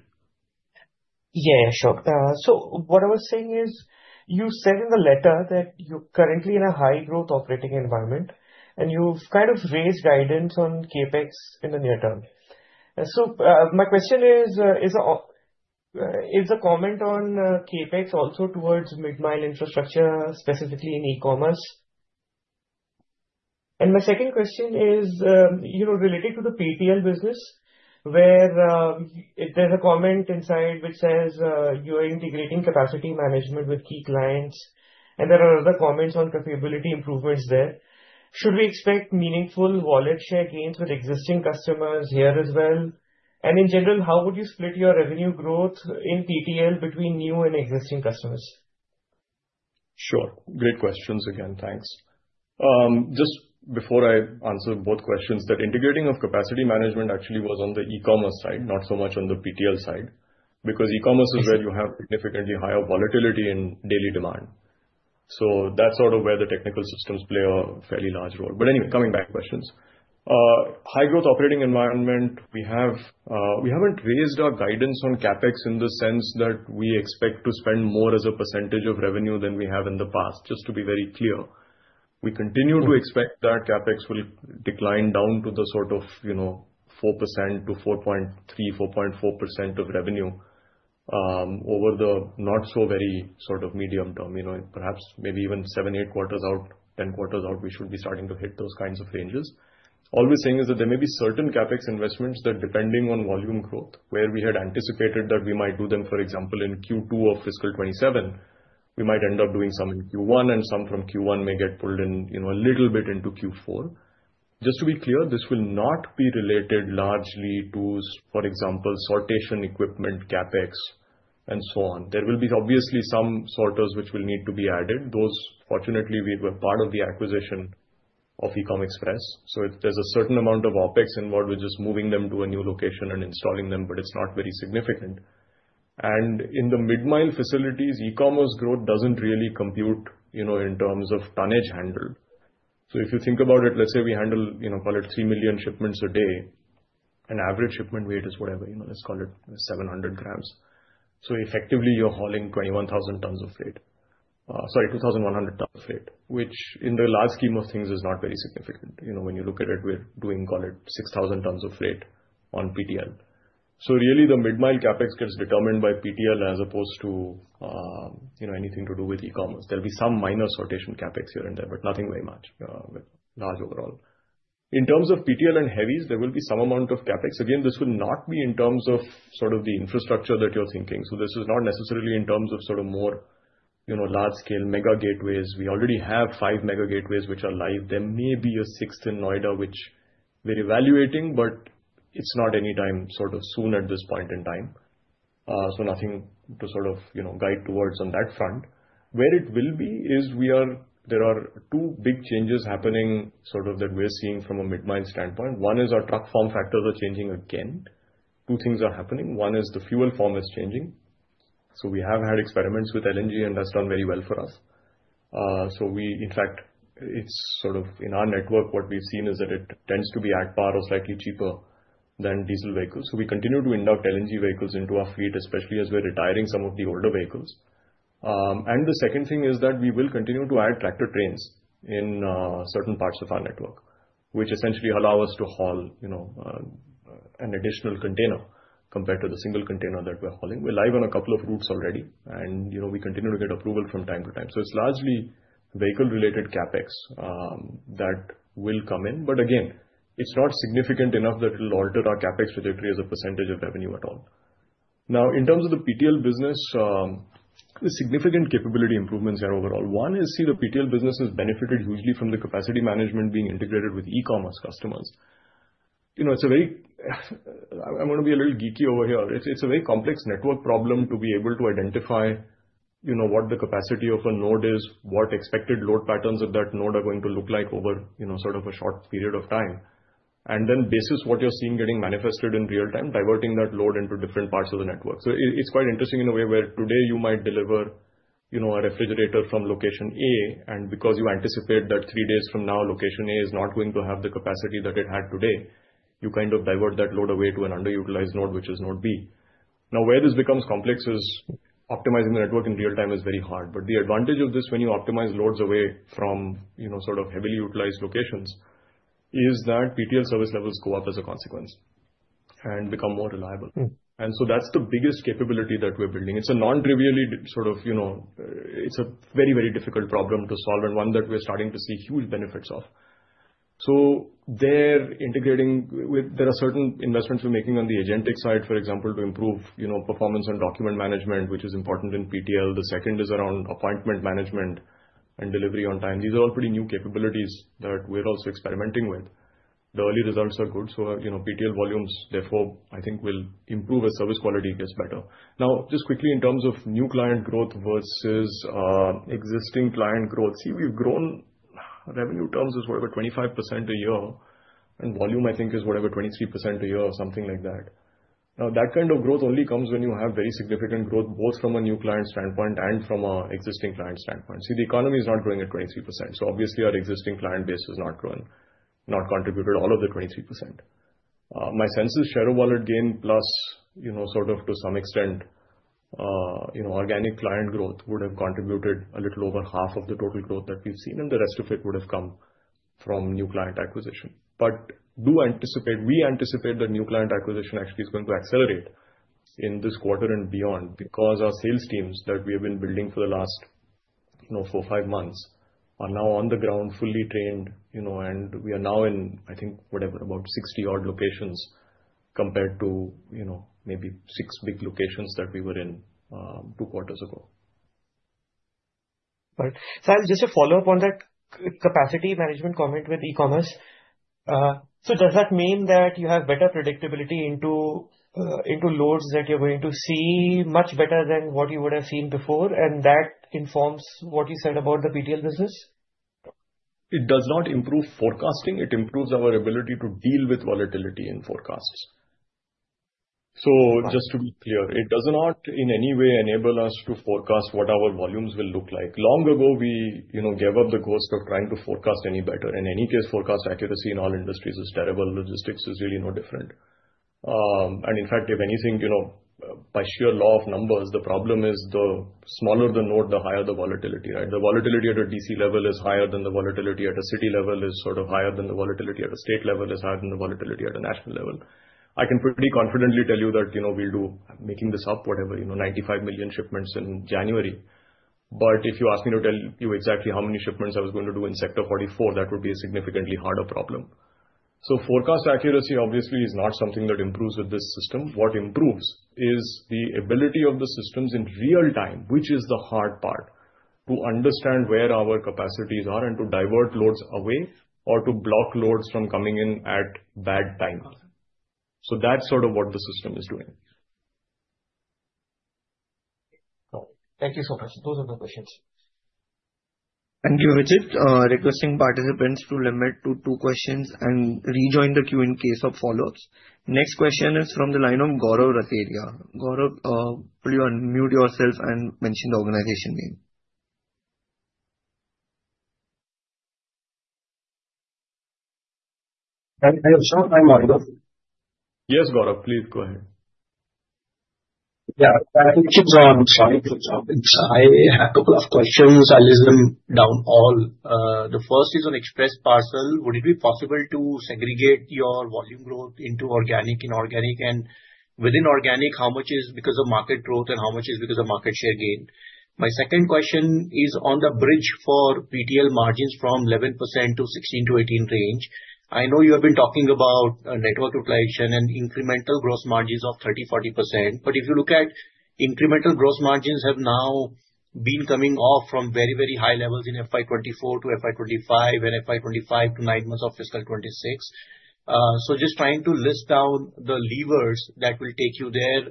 Yeah, sure. So what I was saying is, you said in the letter that you're currently in a high growth operating environment, and you've kind of raised guidance on CapEx in the near term. So, my question is, is the comment on CapEx also towards mid-mile infrastructure, specifically in e-commerce? And my second question is, you know, related to the PTL business, where, there's a comment inside which says, you are integrating capacity management with key clients, and there are other comments on capability improvements there. Should we expect meaningful wallet share gains with existing customers here as well? And in general, how would you split your revenue growth in PTL between new and existing customers? Sure. Great questions again. Thanks. Just before I answer both questions, that integrating of capacity management actually was on the e-commerce side, not so much on the PTL side, because e-commerce is where you have significantly higher volatility in daily demand. So that's sort of where the technical systems play a fairly large role. But anyway, coming back to questions. High growth operating environment, we haven't raised our guidance on CapEx in the sense that we expect to spend more as a percentage of revenue than we have in the past, just to be very clear. We continue to expect that CapEx will decline down to the sort of, you know, 4% to 4.3%-4.4% of revenue, over the not so very sort of medium term. You know, perhaps maybe even 7, 8 quarters out, 10 quarters out, we should be starting to hit those kinds of ranges. All we're saying is that there may be certain CapEx investments that, depending on volume growth, where we had anticipated that we might do them, for example, in Q2 of fiscal 2027, we might end up doing some in Q1, and some from Q1 may get pulled in, you know, a little bit into Q4. Just to be clear, this will not be related largely to, for example, sortation equipment, CapEx, and so on. There will be obviously some sorters which will need to be added. Those, fortunately, were part of the acquisition of Ecom Express, so there's a certain amount of OpEx involved with just moving them to a new location and installing them, but it's not very significant. In the mid-mile facilities, e-commerce growth doesn't really compute, you know, in terms of tonnage handled. So if you think about it, let's say we handle, you know, call it 3 million shipments a day, an average shipment weight is whatever, you know, let's call it 700 grams. So effectively, you're hauling 21,000 tons of freight. Sorry, 2,100 tons of freight, which in the large scheme of things is not very significant. You know, when you look at it, we're doing, call it, 6,000 tons of freight on PTL. So really, the mid-mile CapEx gets determined by PTL as opposed to, you know, anything to do with e-commerce. There'll be some minor sortation CapEx here and there, but nothing very much, large overall. In terms of PTL and heavies, there will be some amount of CapEx. Again, this will not be in terms of sort of the infrastructure that you're thinking. So this is not necessarily in terms of sort of more, you know, large-scale mega gateways. We already have five mega gateways which are live. There may be a sixth in Noida, which we're evaluating, but it's not anytime sort of soon at this point in time. So nothing to sort of, you know, guide towards on that front. Where it will be is, there are two big changes happening, sort of that we're seeing from a mid-mile standpoint. One is our truck form factors are changing again. Two things are happening. One is the fuel form is changing, so we have had experiments with LNG, and that's done very well for us. So, in fact, it's sort of, in our network, what we've seen is that it tends to be at par or slightly cheaper than diesel vehicles. So we continue to induct LNG vehicles into our fleet, especially as we're retiring some of the older vehicles. And the second thing is that we will continue to add tractor-trailers in certain parts of our network, which essentially allow us to haul, you know, an additional container compared to the single container that we're hauling. We're live on a couple of routes already, and, you know, we continue to get approval from time to time. So it's largely vehicle-related CapEx that will come in, but again, it's not significant enough that it will alter our CapEx trajectory as a percentage of revenue at all. Now, in terms of the PTL business, there's significant capability improvements there overall. One is, you see, the PTL business has benefited hugely from the capacity management being integrated with e-commerce customers. You know, it's a very. I'm gonna be a little geeky over here. It's a very complex network problem to be able to identify, you know, what the capacity of a node is, what expected load patterns of that node are going to look like over, you know, sort of a short period of time. And then basis what you're seeing getting manifested in real time, diverting that load into different parts of the network. So it's quite interesting in a way, where today you might deliver, you know, a refrigerator from location A, and because you anticipate that three days from now location A is not going to have the capacity that it had today, you kind of divert that load away to an underutilized node, which is node B. Now, where this becomes complex is optimizing the network in real time is very hard, but the advantage of this, when you optimize loads away from, you know, sort of heavily utilized locations, is that PTL service levels go up as a consequence and become more reliable. And so that's the biggest capability that we're building. It's a nontrivially, sort of, you know, it's a very, very difficult problem to solve and one that we're starting to see huge benefits of. So they're integrating with--there are certain investments we're making on the agentic side, for example, to improve, you know, performance on document management, which is important in PTL. The second is around appointment management and delivery on time. These are all pretty new capabilities that we're also experimenting with. The early results are good, so, you know, PTL volumes, therefore, I think will improve as service quality gets better. Now, just quickly, in terms of new client growth versus existing client growth, see, we've grown, revenue terms is whatever, 25% a year, and volume, I think, is whatever, 23% a year or something like that. Now, that kind of growth only comes when you have very significant growth, both from a new client standpoint and from a existing client standpoint. See, the economy is not growing at 23%, so obviously our existing client base has not grown, not contributed all of the 23%. My sense is share of wallet gain, plus, you know, sort of to some extent, you know, organic client growth would have contributed a little over half of the total growth that we've seen, and the rest of it would have come from new client acquisition. We anticipate that new client acquisition actually is going to accelerate in this quarter and beyond, because our sales teams that we have been building for the last, you know, four, five months, are now on the ground, fully trained, you know, and we are now in, I think, whatever, about 60-odd locations, compared to, you know, maybe six big locations that we were in, two quarters ago. Right. So just a follow-up on that capacity management comment with e-commerce. So does that mean that you have better predictability into, into loads, that you're going to see much better than what you would have seen before, and that informs what you said about the PTL business? It does not improve forecasting, it improves our ability to deal with volatility in forecasts. So just to be clear, it does not in any way enable us to forecast what our volumes will look like. Long ago we, you know, gave up the ghost of trying to forecast any better. In any case, forecast accuracy in all industries is terrible. Logistics is really no different. And in fact, if anything, you know, by sheer law of numbers, the problem is the smaller the node, the higher the volatility, right? The volatility at a DC level is higher than the volatility at a city level, is sort of higher than the volatility at a state level, is higher than the volatility at a national level. I can pretty confidently tell you that, you know, we'll do, making this up, whatever, you know, 95 million shipments in January. But if you ask me to tell you exactly how many shipments I was going to do in Sector 44, that would be a significantly harder problem. So forecast accuracy obviously is not something that improves with this system. What improves is the ability of the systems in real time, which is the hard part, to understand where our capacities are and to divert loads away or to block loads from coming in at bad times. So that's sort of what the system is doing. Got it. Thank you so much. Those are my questions. Thank you, Vijit. Requesting participants to limit to two questions and rejoin the queue in case of follow-ups. Next question is from the line of Gaurav Rateria. Gaurav, please unmute yourself and mention the organization name. Hi, hello. Am I audible? Yes, Gaurav, please go ahead. Yeah, thank you, Gaurav. Sorry for that. I have a couple of questions. I'll list them down all. The first is on express parcel. Would it be possible to segregate your volume growth into organic, inorganic? And within organic, how much is because of market growth and how much is because of market share gain? My second question is on the bridge for PTL margins from 11% to 16%-18% range. I know you have been talking about network utilization and incremental gross margins of 30%-40%, but if you look at incremental gross margins have now been coming off from very, very high levels in FY 2024 to FY 2025 and FY 2025 to nine months of fiscal 2026. So just trying to list down the levers that will take you there,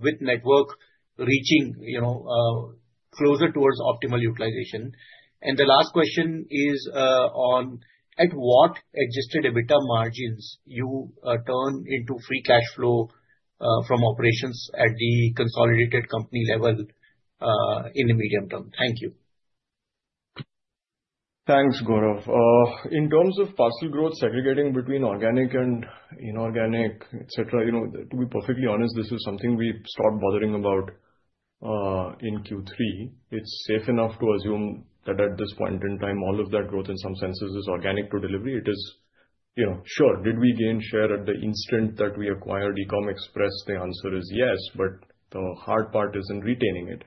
with network reaching, you know, closer towards optimal utilization. And the last question is, on at what adjusted EBITDA margins you turn into free cash flow, from operations at the consolidated company level, in the medium term? Thank you. Thanks, Gaurav. In terms of parcel growth, segregating between organic and inorganic, et cetera, you know, to be perfectly honest, this is something we stopped bothering about in Q3. It's safe enough to assume that at this point in time, all of that growth, in some senses, is organic to Delhivery. It is. You know, sure, did we gain share at the instant that we acquired Ecom Express? The answer is yes, but the hard part is in retaining it,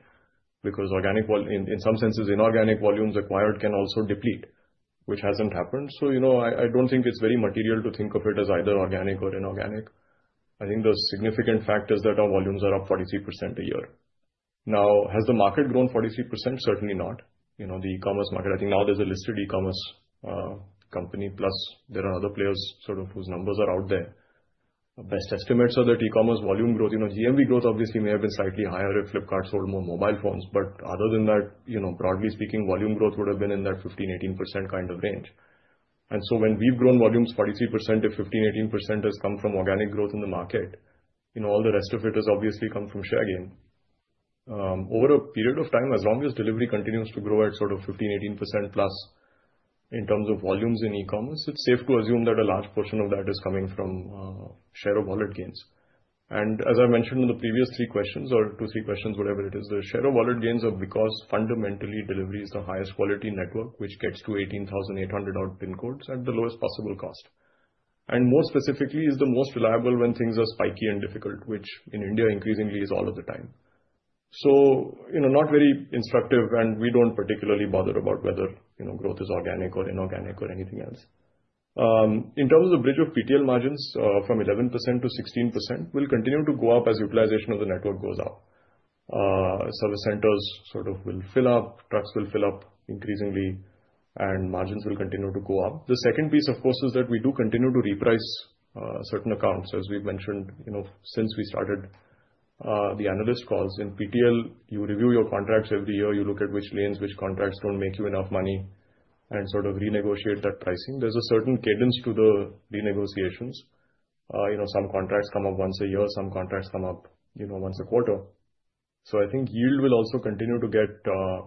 because organic, in some senses, inorganic volumes acquired can also deplete, which hasn't happened. So, you know, I don't think it's very material to think of it as either organic or inorganic. I think the significant fact is that our volumes are up 43% a year. Now, has the market grown 43%? Certainly not. You know, the e-commerce market, I think now there's a listed e-commerce company, plus there are other players sort of, whose numbers are out there. Best estimates are that e-commerce volume growth, you know, GMV growth obviously may have been slightly higher if Flipkart sold more mobile phones. But other than that, you know, broadly speaking, volume growth would have been in that 15%-18% kind of range. And so when we've grown volumes 43%, if 15%-18% has come from organic growth in the market, you know, all the rest of it has obviously come from share gain. Over a period of time, as long as Delhivery continues to grow at sort of 15%-18%+ in terms of volumes in e-commerce, it's safe to assume that a large portion of that is coming from share of wallet gains. As I mentioned in the previous three questions or two, three questions, whatever it is, the share of wallet gains are because fundamentally, Delhivery is the highest quality network, which gets to 18,800-odd pin codes at the lowest possible cost. And more specifically, is the most reliable when things are spiky and difficult, which in India increasingly is all of the time. So, you know, not very instructive, and we don't particularly bother about whether, you know, growth is organic or inorganic or anything else. In terms of bridge of PTL margins from 11%-16%, will continue to go up as utilization of the network goes up. Service centers sort of will fill up, trucks will fill up increasingly, and margins will continue to go up. The second piece, of course, is that we do continue to reprice, certain accounts. As we've mentioned, you know, since we started, the analyst calls, in PTL, you review your contracts every year, you look at which lanes, which contracts don't make you enough money and sort of renegotiate that pricing. There's a certain cadence to the renegotiations. You know, some contracts come up once a year, some contracts come up, you know, once a quarter. So I think yield will also continue to get,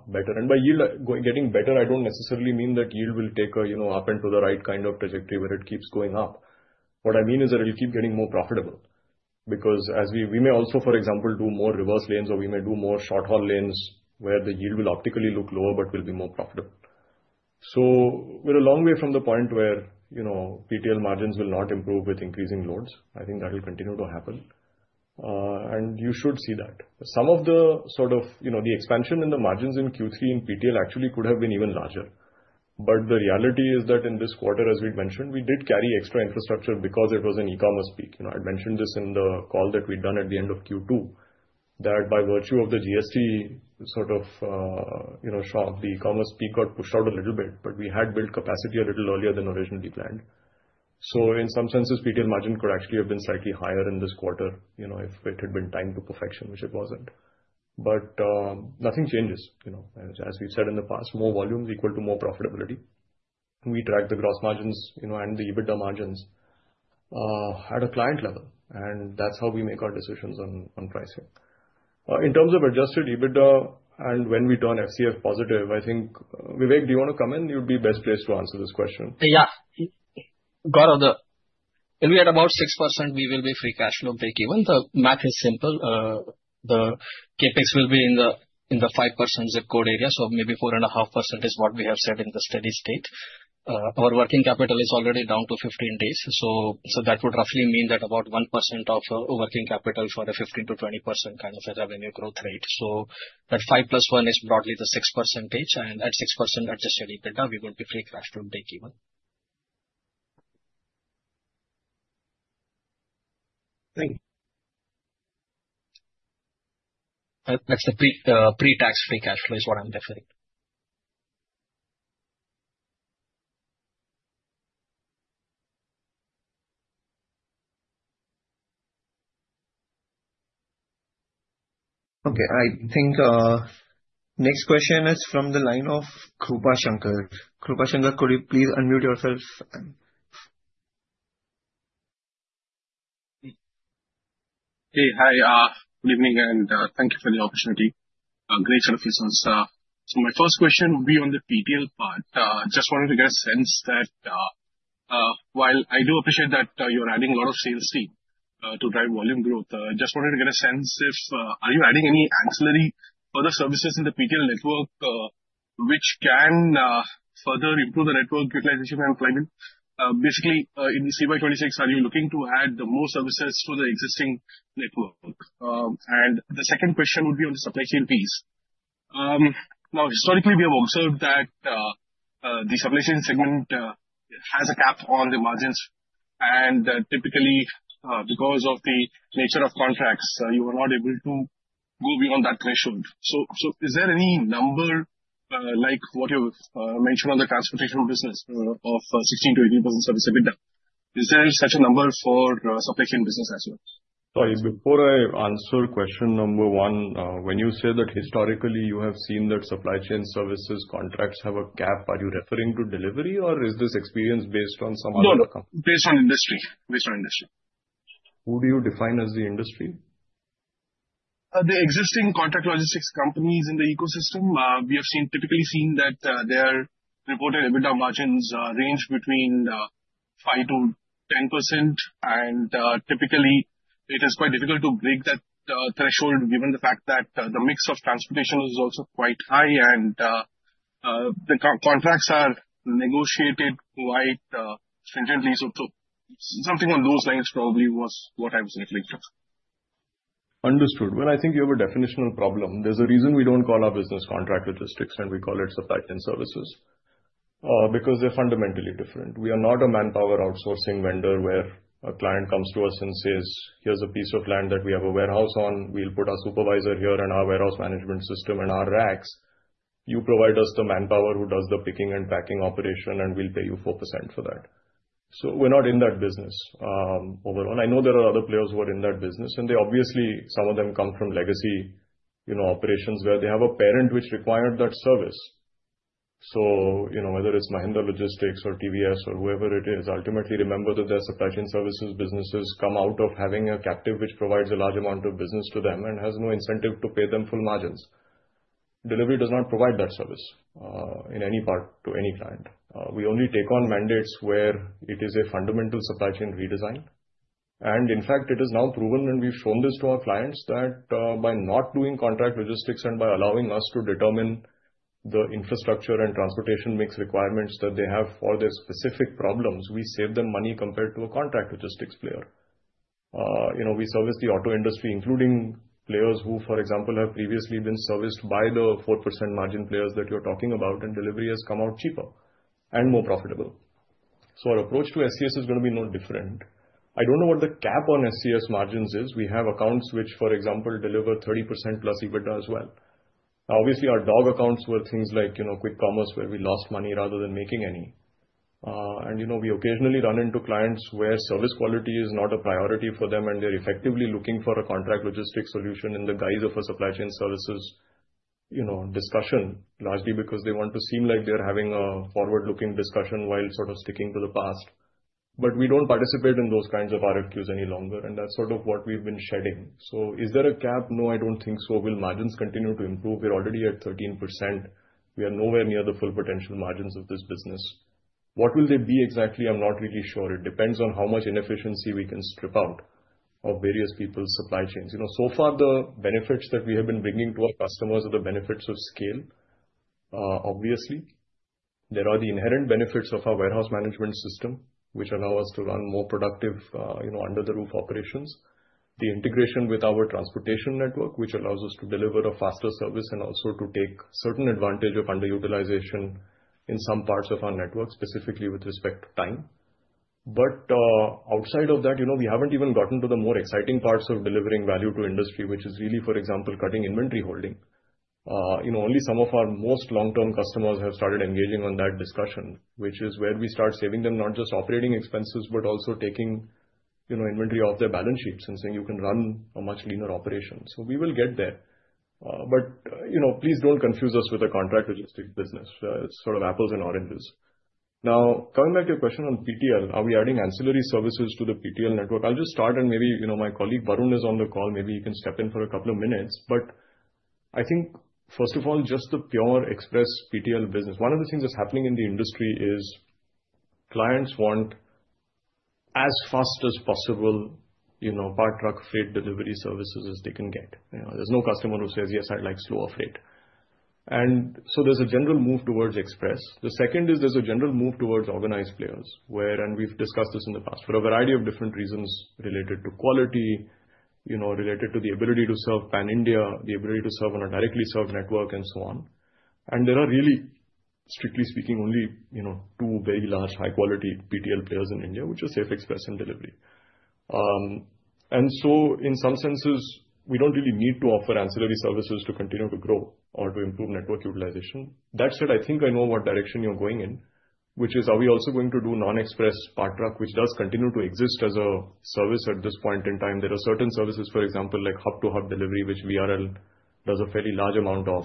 better. And by yield, getting better, I don't necessarily mean that yield will take a, you know, up and to the right kind of trajectory, where it keeps going up. What I mean is that it'll keep getting more profitable, because as we may also, for example, do more reverse lanes, or we may do more short-haul lanes, where the yield will optically look lower but will be more profitable. So we're a long way from the point where, you know, PTL margins will not improve with increasing loads. I think that will continue to happen, and you should see that. Some of the, sort of, you know, the expansion in the margins in Q3 in PTL actually could have been even larger. But the reality is that in this quarter, as we've mentioned, we did carry extra infrastructure because it was an e-commerce peak. You know, I mentioned this in the call that we'd done at the end of Q2, that by virtue of the GST sort of, you know, sharp, the e-commerce peak got pushed out a little bit, but we had built capacity a little earlier than originally planned. So in some senses, PTL margin could actually have been slightly higher in this quarter, you know, if it had been timed to perfection, which it wasn't. But, nothing changes, you know. As we've said in the past, more volume is equal to more profitability. We track the gross margins, you know, and the EBITDA margins, at a client level, and that's how we make our decisions on pricing. In terms of adjusted EBITDA and when we turn FCF positive, I think, Vivek, do you want to come in? You'd be best placed to answer this question. Yeah. Gaurav, and we are about 6%, we will be free cash flow breakeven. The math is simple. The CapEx will be in the 5% ZIP code area, so maybe 4.5% is what we have said in the steady state. Our working capital is already down to 15 days, so that would roughly mean that about 1% of working capital for a 15%-20% kind of a revenue growth rate. So that 5% + 1% is broadly the 6%, and at 6% adjusted EBITDA, we're going to be free cash flow breakeven. Thank you. That's the pre-tax free cash flow is what I'm referring. Okay, I think next question is from the line of Krupa Shankar. Krupa Shankar, could you please unmute yourself? Hey. Hi, good evening, and thank you for the opportunity. Great set of results. So my first question would be on the PTL part. Just wanted to get a sense that, while I do appreciate that, you're adding a lot of CSC to drive volume growth, just wanted to get a sense if are you adding any ancillary further services in the PTL network, which can further improve the network utilization and employment? Basically, in the CY 2026, are you looking to add the more services to the existing network? And the second question would be on the supply chain piece. Now, historically, we have observed that, the supply chain segment has a cap on the margins, and, typically, because of the nature of contracts, you are not able to go beyond that threshold. So, is there any number, like what you mentioned on the transportation business, of, 16%-18% service EBITDA? Is there such a number for, supply chain business as well? Sorry, before I answer question number one, when you say that historically you have seen that supply chain services contracts have a cap, are you referring to Delhivery, or is this experience based on some other-- No, based on industry. Based on industry. Who do you define as the industry? The existing contract logistics companies in the ecosystem, we have typically seen that their reported EBITDA margins range between 5%-10%. Typically, it is quite difficult to break that threshold, given the fact that the mix of transportation is also quite high and the contracts are negotiated quite stringently. So something along those lines probably was what I was reflecting. Understood. Well, I think you have a definitional problem. There's a reason we don't call our business contract logistics, and we call it supply chain services. Because they're fundamentally different. We are not a manpower outsourcing vendor, where a client comes to us and says: Here's a piece of land that we have a warehouse on. We'll put our supervisor here and our warehouse management system and our racks. You provide us the manpower who does the picking and packing operation, and we'll pay you 4% for that. So we're not in that business, overall. I know there are other players who are in that business, and they obviously, some of them come from legacy, you know, operations, where they have a parent which required that service. So, you know, whether it's Mahindra Logistics or TVS or whoever it is, ultimately, remember that their supply chain services businesses come out of having a captive, which provides a large amount of business to them and has no incentive to pay them full margins. Delhivery does not provide that service, in any part to any client. We only take on mandates where it is a fundamental supply chain redesign. And in fact, it is now proven, and we've shown this to our clients, that, by not doing contract logistics and by allowing us to determine the infrastructure and transportation mix requirements that they have for their specific problems, we save them money compared to a contract logistics player. You know, we service the auto industry, including players who, for example, have previously been serviced by the 4% margin players that you're talking about, and Delhivery has come out cheaper and more profitable. So our approach to SCS is going to be no different. I don't know what the cap on SCS margins is. We have accounts which, for example, deliver +30% EBITDA as well. Obviously, our dog accounts were things like, you know, quick commerce, where we lost money rather than making any. And you know, we occasionally run into clients where service quality is not a priority for them, and they're effectively looking for a contract logistics solution in the guise of a supply chain services, you know, discussion, largely because they want to seem like they're having a forward-looking discussion while sort of sticking to the past. But we don't participate in those kinds of RFQs any longer, and that's sort of what we've been shedding. So is there a gap? No, I don't think so. Will margins continue to improve? We're already at 13%. We are nowhere near the full potential margins of this business. What will they be exactly? I'm not really sure. It depends on how much inefficiency we can strip out of various people's supply chains. You know, so far, the benefits that we have been bringing to our customers are the benefits of scale. Obviously, there are the inherent benefits of our warehouse management system, which allow us to run more productive, you know, under the roof operations. The integration with our transportation network, which allows us to deliver a faster service and also to take certain advantage of underutilization in some parts of our network, specifically with respect to time. But, outside of that, you know, we haven't even gotten to the more exciting parts of delivering value to industry, which is really, for example, cutting inventory holding. You know, only some of our most long-term customers have started engaging on that discussion, which is where we start saving them, not just operating expenses, but also taking, you know, inventory off their balance sheets and saying, "You can run a much leaner operation." So we will get there. But, you know, please don't confuse us with a contract logistics business. It's sort of apples and oranges. Now, coming back to your question on PTL, are we adding ancillary services to the PTL network? I'll just start and maybe, you know, my colleague, Varun, is on the call. Maybe you can step in for a couple of minutes. I think, first of all, just the pure express PTL business, one of the things that's happening in the industry is clients want as fast as possible, you know, part truck freight delivery services as they can get. You know, there's no customer who says, "Yes, I'd like slower freight." So there's a general move towards express. The second is there's a general move towards organized players, where, and we've discussed this in the past, for a variety of different reasons related to quality, you know, related to the ability to serve pan-India, the ability to serve on a directly served network and so on. There are really, strictly speaking, only, you know, two very large high-quality PTL players in India, which is Safexpress and Delhivery. And so in some senses, we don't really need to offer ancillary services to continue to grow or to improve network utilization. That said, I think I know what direction you're going in, which is, are we also going to do non-express part truck, which does continue to exist as a service at this point in time? There are certain services, for example, like hub-to-hub delivery, which VRL does a fairly large amount of,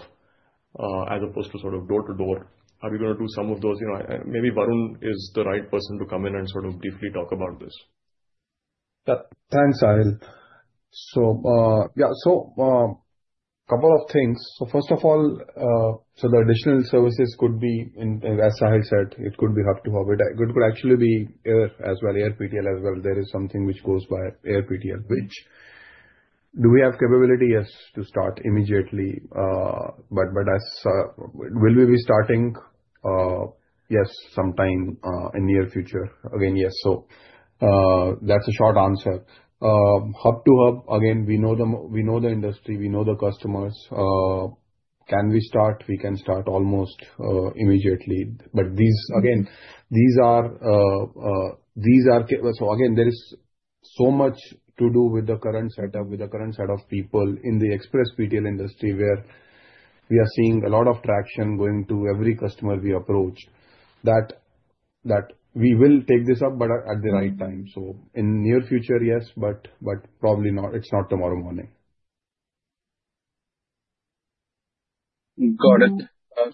as opposed to sort of door-to-door. Are we gonna do some of those? You know, and maybe Varun is the right person to come in and sort of deeply talk about this. Thanks, Sahil. So, yeah, so, couple of things. So first of all, so the additional services could be, and, and as Sahil said, it could be hub-to-hub, it, it could actually be air as well, air PTL as well. There is something which goes by air PTL, which do we have capability? Yes, to start immediately, but as--will we be starting? Yes, sometime, in near future. Again, yes. So, that's a short answer. Hub-to-hub, again, we know the industry, we know the customers. Can we start? We can start almost, immediately. But again, there is so much to do with the current setup, with the current set of people in the express PTL industry, where we are seeing a lot of traction going to every customer we approach, that we will take this up, but at the right time. So in near future, yes, but probably not. It's not tomorrow morning. Got it.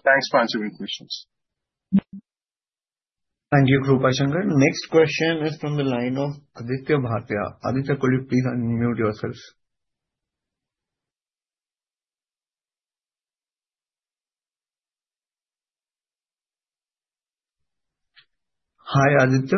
Thanks for answering questions. Thank you, Krupa Shankar. Next question is from the line of Aditya Bhatia. Aditya, could you please unmute yourself? Hi, Aditya.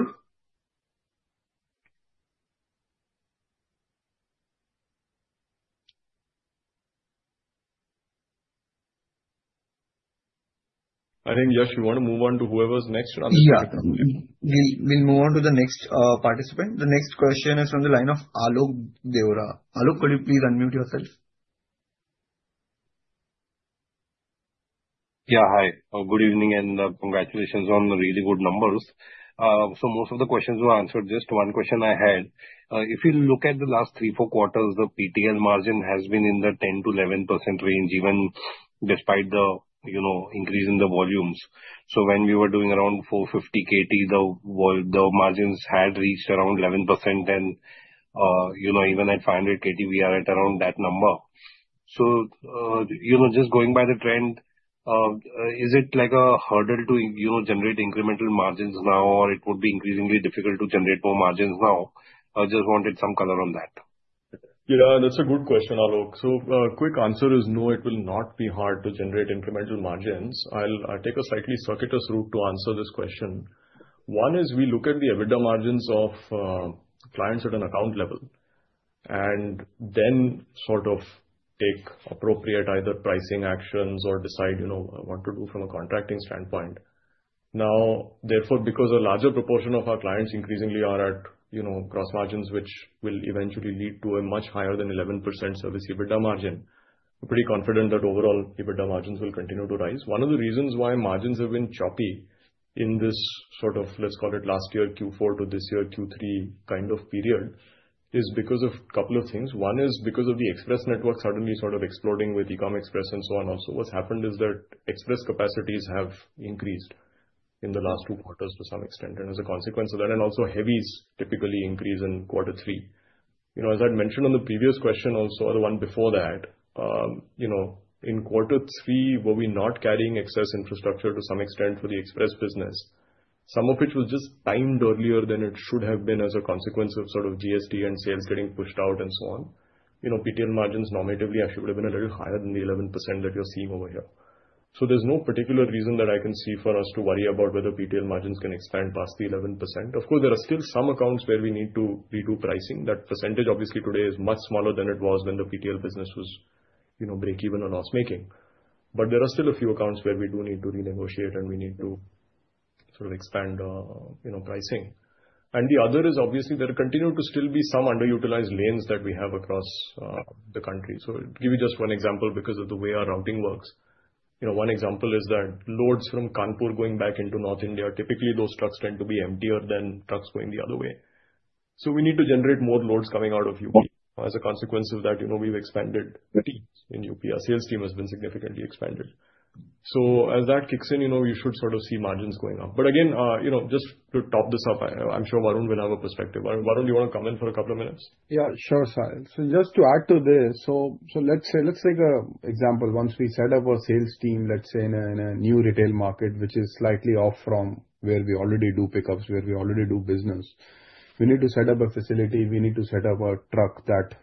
I think, Yash, you want to move on to whoever's next on the- Yeah. We'll, we'll move on to the next participant. The next question is from the line of Alok Deora. Alok, could you please unmute yourself? Yeah, hi. Good evening, and congratulations on the really good numbers. So most of the questions were answered. Just one question I had, if you look at the last three, four quarters, the PTL margin has been in the 10%-11% range, even despite the, you know, increase in the volumes. So when we were doing around 450 KT, the vol- the margins had reached around 11%, then, you know, even at 500 KT, we are at around that number. So, you know, just going by the trend, is it like a hurdle to, you know, generate incremental margins now, or it would be increasingly difficult to generate more margins now? I just wanted some color on that. Yeah, that's a good question, Alok. So, quick answer is no, it will not be hard to generate incremental margins. I'll take a slightly circuitous route to answer this question. One is we look at the EBITDA margins of, clients at an account level, and then sort of take appropriate either pricing actions or decide, you know, what to do from a contracting standpoint. Now, therefore, because a larger proportion of our clients increasingly are at, you know, gross margins, which will eventually lead to a much higher than 11% service EBITDA margin, I'm pretty confident that overall EBITDA margins will continue to rise. One of the reasons why margins have been choppy in this sort of, let's call it last year Q4 to this year Q3 kind of period, is because of couple of things. One is because of the express network suddenly sort of exploding with Ecom Express and so on and so. What's happened is that express capacities have increased in the last two quarters to some extent, and as a consequence of that, and also heavies typically increase in quarter three. You know, as I'd mentioned on the previous question also, the one before that, you know, in quarter three, were we not carrying excess infrastructure to some extent for the express business, some of which was just timed earlier than it should have been as a consequence of sort of GST and sales getting pushed out and so on. You know, PTL margins normatively actually would have been a little higher than the 11% that you're seeing over here. So there's no particular reason that I can see for us to worry about whether PTL margins can expand past the 11%. Of course, there are still some accounts where we need to redo pricing. That percentage obviously today is much smaller than it was when the PTL business was, you know, breakeven or loss-making. But there are still a few accounts where we do need to renegotiate, and we need to sort of expand, you know, pricing. And the other is obviously there continue to still be some underutilized lanes that we have across the country. So give you just one example because of the way our routing works. You know, one example is that loads from Kanpur going back into North India, typically those trucks tend to be emptier than trucks going the other way. We need to generate more loads coming out of UP. As a consequence of that, you know, we've expanded the teams in UP. Our sales team has been significantly expanded. So as that kicks in, you know, we should sort of see margins going up. But again, you know, just to top this off, I'm sure Varun will have a perspective. Varun, do you want to come in for a couple of minutes? Yeah, sure, Sahil. So just to add to this: let's say, let's take an example. Once we set up our sales team, let's say in a new retail market, which is slightly off from where we already do pickups, where we already do business, we need to set up a facility, we need to set up a truck that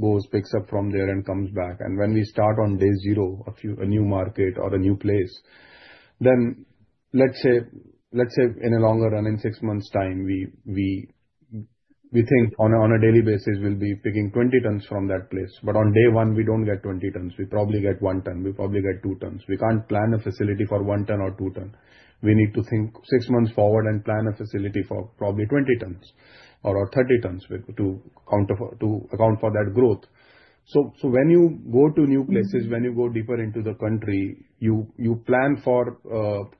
goes, picks up from there and comes back. And when we start on day zero, a new market or a new place, then let's say in a longer run, in six months' time, we think on a daily basis, we'll be picking 20 tons from that place, but on day one, we don't get 20 tons. We probably get 1 ton. We probably get 2 tons. We can't plan a facility for 1 ton or 2 ton. We need to think six months forward and plan a facility for probably 20 tons or 30 tons with to account for that growth. So when you go to new places when you go deeper into the country, you plan for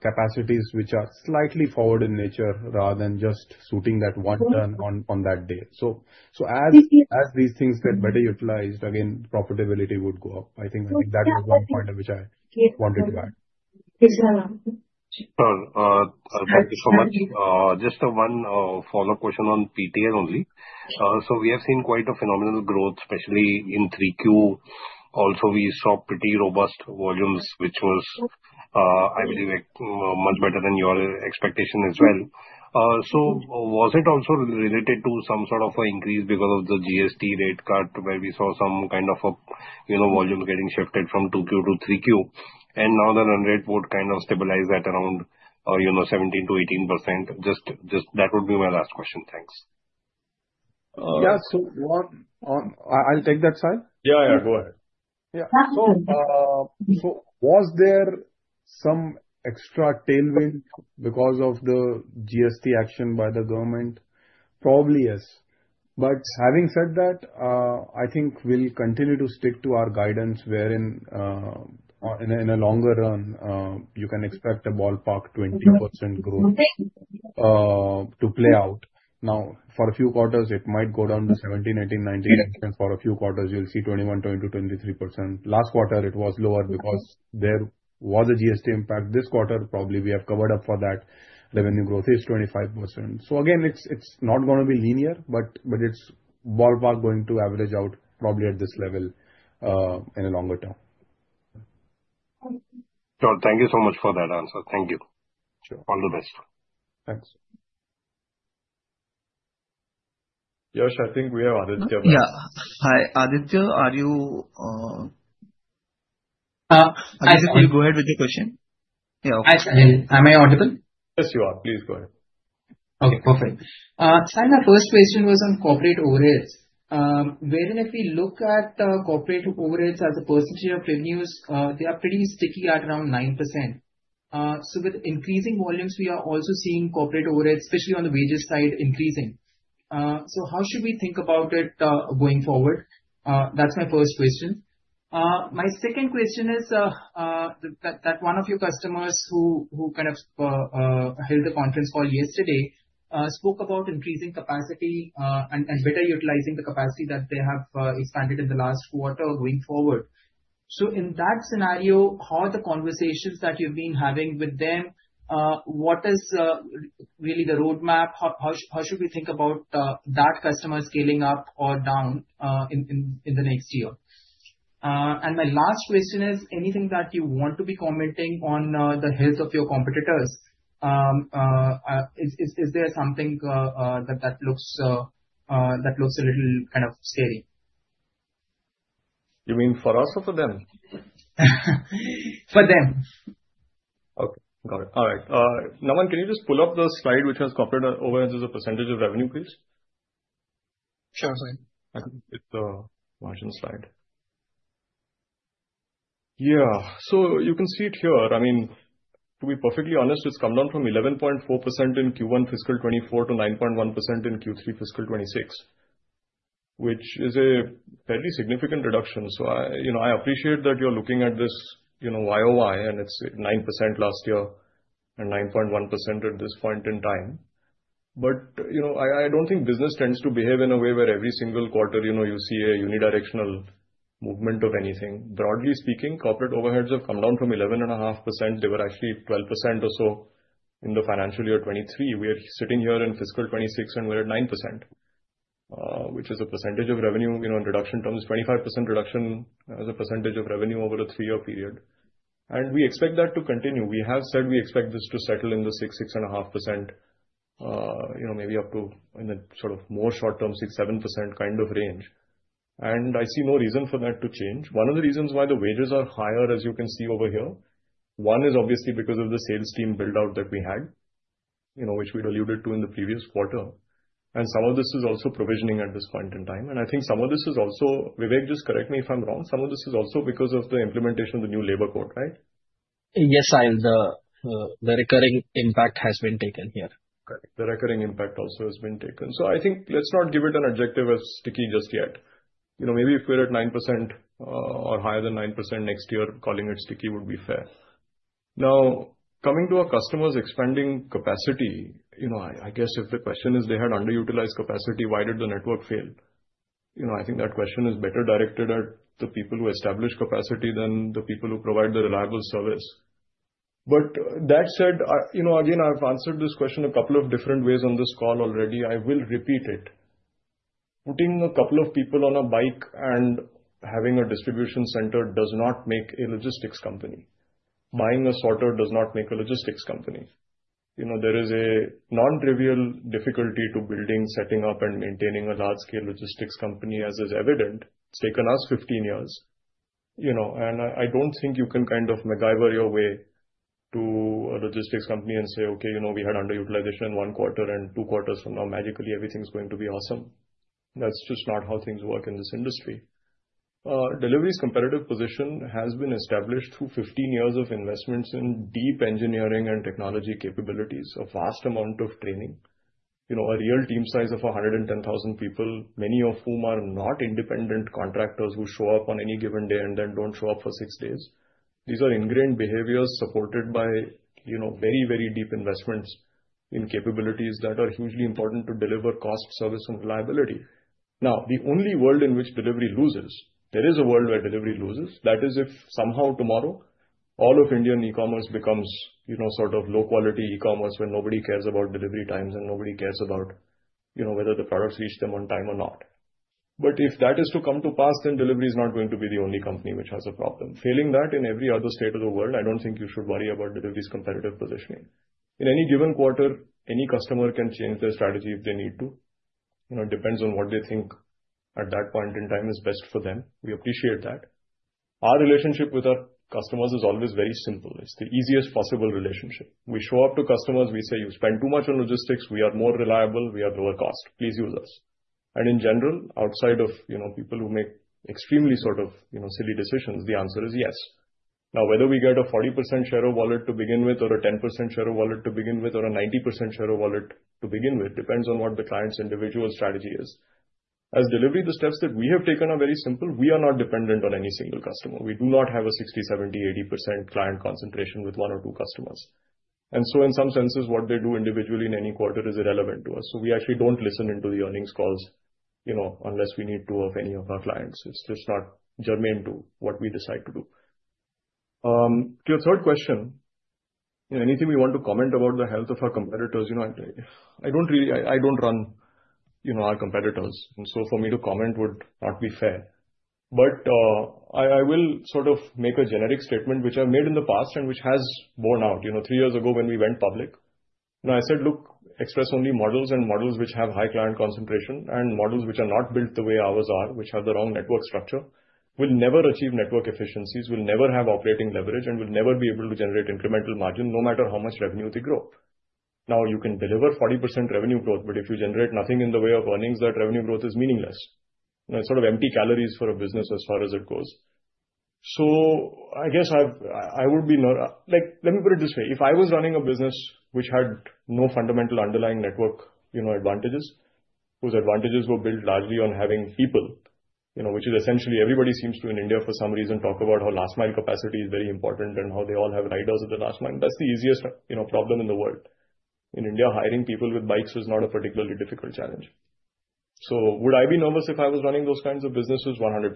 capacities which are slightly forward in nature, rather than just suiting that one ton on that day. So as these things get better utilized, again, profitability would go up. I think that is one point which I wanted to add. Thank you so much. Just one follow-up question on PTL only. So we have seen quite a phenomenal growth, especially in Q3. Also, we saw pretty robust volumes, which was, I believe, much better than your expectation as well. So was it also related to some sort of an increase because of the GST rate cut, where we saw some kind of a, you know, volume getting shifted from Q2 to Q3, and now the run rate would kind of stabilize at around, you know, 17%-18%? Just that would be my last question. Thanks. Yeah, so one, I'll take that, Sahil? Yeah, yeah, go ahead. So, was there some extra tailwind because of the GST action by the government? Probably, yes. But having said that, I think we'll continue to stick to our guidance, wherein, in a longer run, you can expect a ballpark 20% growth to play out. Now, for a few quarters, it might go down to 17%, 18%, 19%. For a few quarters, you'll see 21%, 22%, 23%. Last quarter, it was lower because there was a GST impact. This quarter, probably we have covered up for that. Revenue growth is 25%. So again, it's, it's not gonna be linear, but, but it's ballpark going to average out probably at this level in a longer term. Sure. Thank you so much for that answer. Thank you. Sure. All the best. Thanks. Yash, I think we have Aditya next. Yeah. Hi, Aditya, are you? Aditya, go ahead with your question. Hi, Sahil. Am I audible? Yes, you are. Please go ahead. Okay, perfect. Sahil, my first question was on corporate overheads, wherein if we look at the corporate overheads as a percentage of revenues, they are pretty sticky at around 9%. So with increasing volumes, we are also seeing corporate overheads, especially on the wages side, increasing. So how should we think about it, going forward? That's my first question. My second question is that one of your customers who kind of held a conference call yesterday spoke about increasing capacity and better utilizing the capacity that they have expanded in the last quarter going forward. So in that scenario, how are the conversations that you've been having with them? What is really the roadmap? How should we think about that customer scaling up or down in the next year? And my last question is: Anything that you want to be commenting on the health of your competitors? Is there something that looks a little kind of scary? You mean for us or for them? For them. Okay, got it. All right. Naman, can you just pull up the slide which has corporate overhead as a percentage of revenue, please? Sure, Sahil. It's the margin slide. Yeah, so you can see it here. I mean, to be perfectly honest, it's come down from 11.4% in Q1 fiscal 2024 to 9.1% in Q3 fiscal 2026, which is a fairly significant reduction. So I, you know, I appreciate that you're looking at this, you know, Y-o-Y, and it's 9% last year and 9.1% at this point in time. But, you know, I, I don't think business tends to behave in a way where every single quarter, you know, you see a unidirectional movement of anything. Broadly speaking, corporate overheads have come down from 11.5%. They were actually 12% or so in the financial year 2023. We are sitting here in fiscal 2026, and we're at 9%, which is a percentage of revenue. You know, in reduction terms, 25% reduction as a percentage of revenue over a three-year period, and we expect that to continue. We have said we expect this to settle in the 6%-6.5%, you know, maybe up to, in the sort of more short term, 6%-7% kind of range. I see no reason for that to change. One of the reasons why the wages are higher, as you can see over here, one is obviously because of the sales team build-out that we had, you know, which we'd alluded to in the previous quarter. Some of this is also provisioning at this point in time, and I think some of this is also. Vivek, just correct me if I'm wrong, some of this is also because of the implementation of the new Labour Code, right? Yes, Sahil, the recurring impact has been taken here. Correct. The recurring impact also has been taken. So I think let's not give it an adjective as sticky just yet. You know, maybe if we're at 9%, or higher than 9% next year, calling it sticky would be fair. Now, coming to our customers expanding capacity, you know, I guess if the question is, they had underutilized capacity, why did the network fail? You know, I think that question is better directed at the people who established capacity than the people who provide the reliable service. But that said, you know, again, I've answered this question a couple of different ways on this call already. I will repeat it. Putting a couple of people on a bike and having a distribution center does not make a logistics company. Buying a sorter does not make a logistics company. You know, there is a nontrivial difficulty to building, setting up and maintaining a large-scale logistics company, as is evident. It's taken us 15 years, you know, and I don't think you can kind of MacGyver your way to a logistics company and say: Okay, you know, we had underutilization one quarter, and two quarters from now, magically everything's going to be awesome. That's just not how things work in this industry. Delhivery's competitive position has been established through 15 years of investments in deep engineering and technology capabilities, a vast amount of training, you know, a real team size of 110,000 people, many of whom are not independent contractors who show up on any given day and then don't show up for six days. These are ingrained behaviors supported by, you know, very, very deep investments in capabilities that are hugely important to deliver cost, service, and reliability. Now, the only world in which Delhivery loses, there is a world where Delhivery loses. That is, if somehow tomorrow, all of Indian e-commerce becomes, you know, sort of low-quality e-commerce, where nobody cares about delivery times and nobody cares about, you know, whether the products reach them on time or not. But if that is to come to pass, then Delhivery is not going to be the only company which has a problem. Failing that, in every other state of the world, I don't think you should worry about Delhivery's competitive positioning. In any given quarter, any customer can change their strategy if they need to. You know, it depends on what they think at that point in time is best for them. We appreciate that. Our relationship with our customers is always very simple. It's the easiest possible relationship. We show up to customers, we say, "You spend too much on logistics. We are more reliable. We are lower cost. Please use us." And in general, outside of, you know, people who make extremely sort of, you know, silly decisions, the answer is yes. Now, whether we get a 40% share of wallet to begin with or a 10% share of wallet to begin with or a 90% share of wallet to begin with, depends on what the client's individual strategy is. As Delhivery, the steps that we have taken are very simple. We are not dependent on any single customer. We do not have a 60%, 70%, 80% client concentration with one or two customers. So in some senses, what they do individually in any quarter is irrelevant to us, so we actually don't listen into the earnings calls, you know, unless we need to, of any of our clients. It's just not germane to what we decide to do. To your third question, you know, anything we want to comment about the health of our competitors, you know, I don't really. I don't run, you know, our competitors, and so for me to comment would not be fair. But, I will sort of make a generic statement, which I've made in the past and which has borne out. You know, three years ago, when we went public, and I said: Look, express-only models and models which have high client concentration and models which are not built the way ours are, which have the wrong network structure, will never achieve network efficiencies, will never have operating leverage, and will never be able to generate incremental margin, no matter how much revenue they grow. Now, you can deliver 40% revenue growth, but if you generate nothing in the way of earnings, that revenue growth is meaningless. You know, it's sort of empty calories for a business as far as it goes. So I guess I would be nervous. Like, let me put it this way: If I was running a business which had no fundamental underlying network, you know, advantages, those advantages were built largely on having people, you know, which is essentially everybody seems to, in India, for some reason, talk about how last mile capacity is very important and how they all have riders at the last mile. That's the easiest, you know, problem in the world. In India, hiring people with bikes is not a particularly difficult challenge. So would I be nervous if I was running those kinds of businesses? 100%.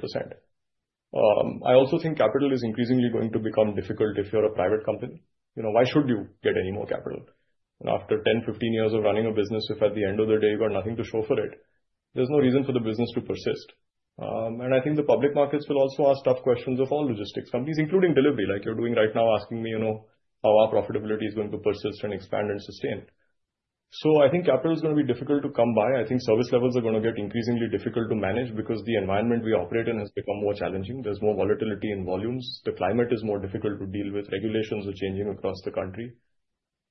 I also think capital is increasingly going to become difficult if you're a private company. You know, why should you get any more capital? After 10, 15 years of running a business, if at the end of the day, you've got nothing to show for it, there's no reason for the business to persist. I think the public markets will also ask tough questions of all logistics companies, including Delhivery, like you're doing right now, asking me, you know, how our profitability is going to persist and expand and sustain. So I think capital is gonna be difficult to come by. I think service levels are gonna get increasingly difficult to manage because the environment we operate in has become more challenging. There's more volatility in volumes. The climate is more difficult to deal with. Regulations are changing across the country.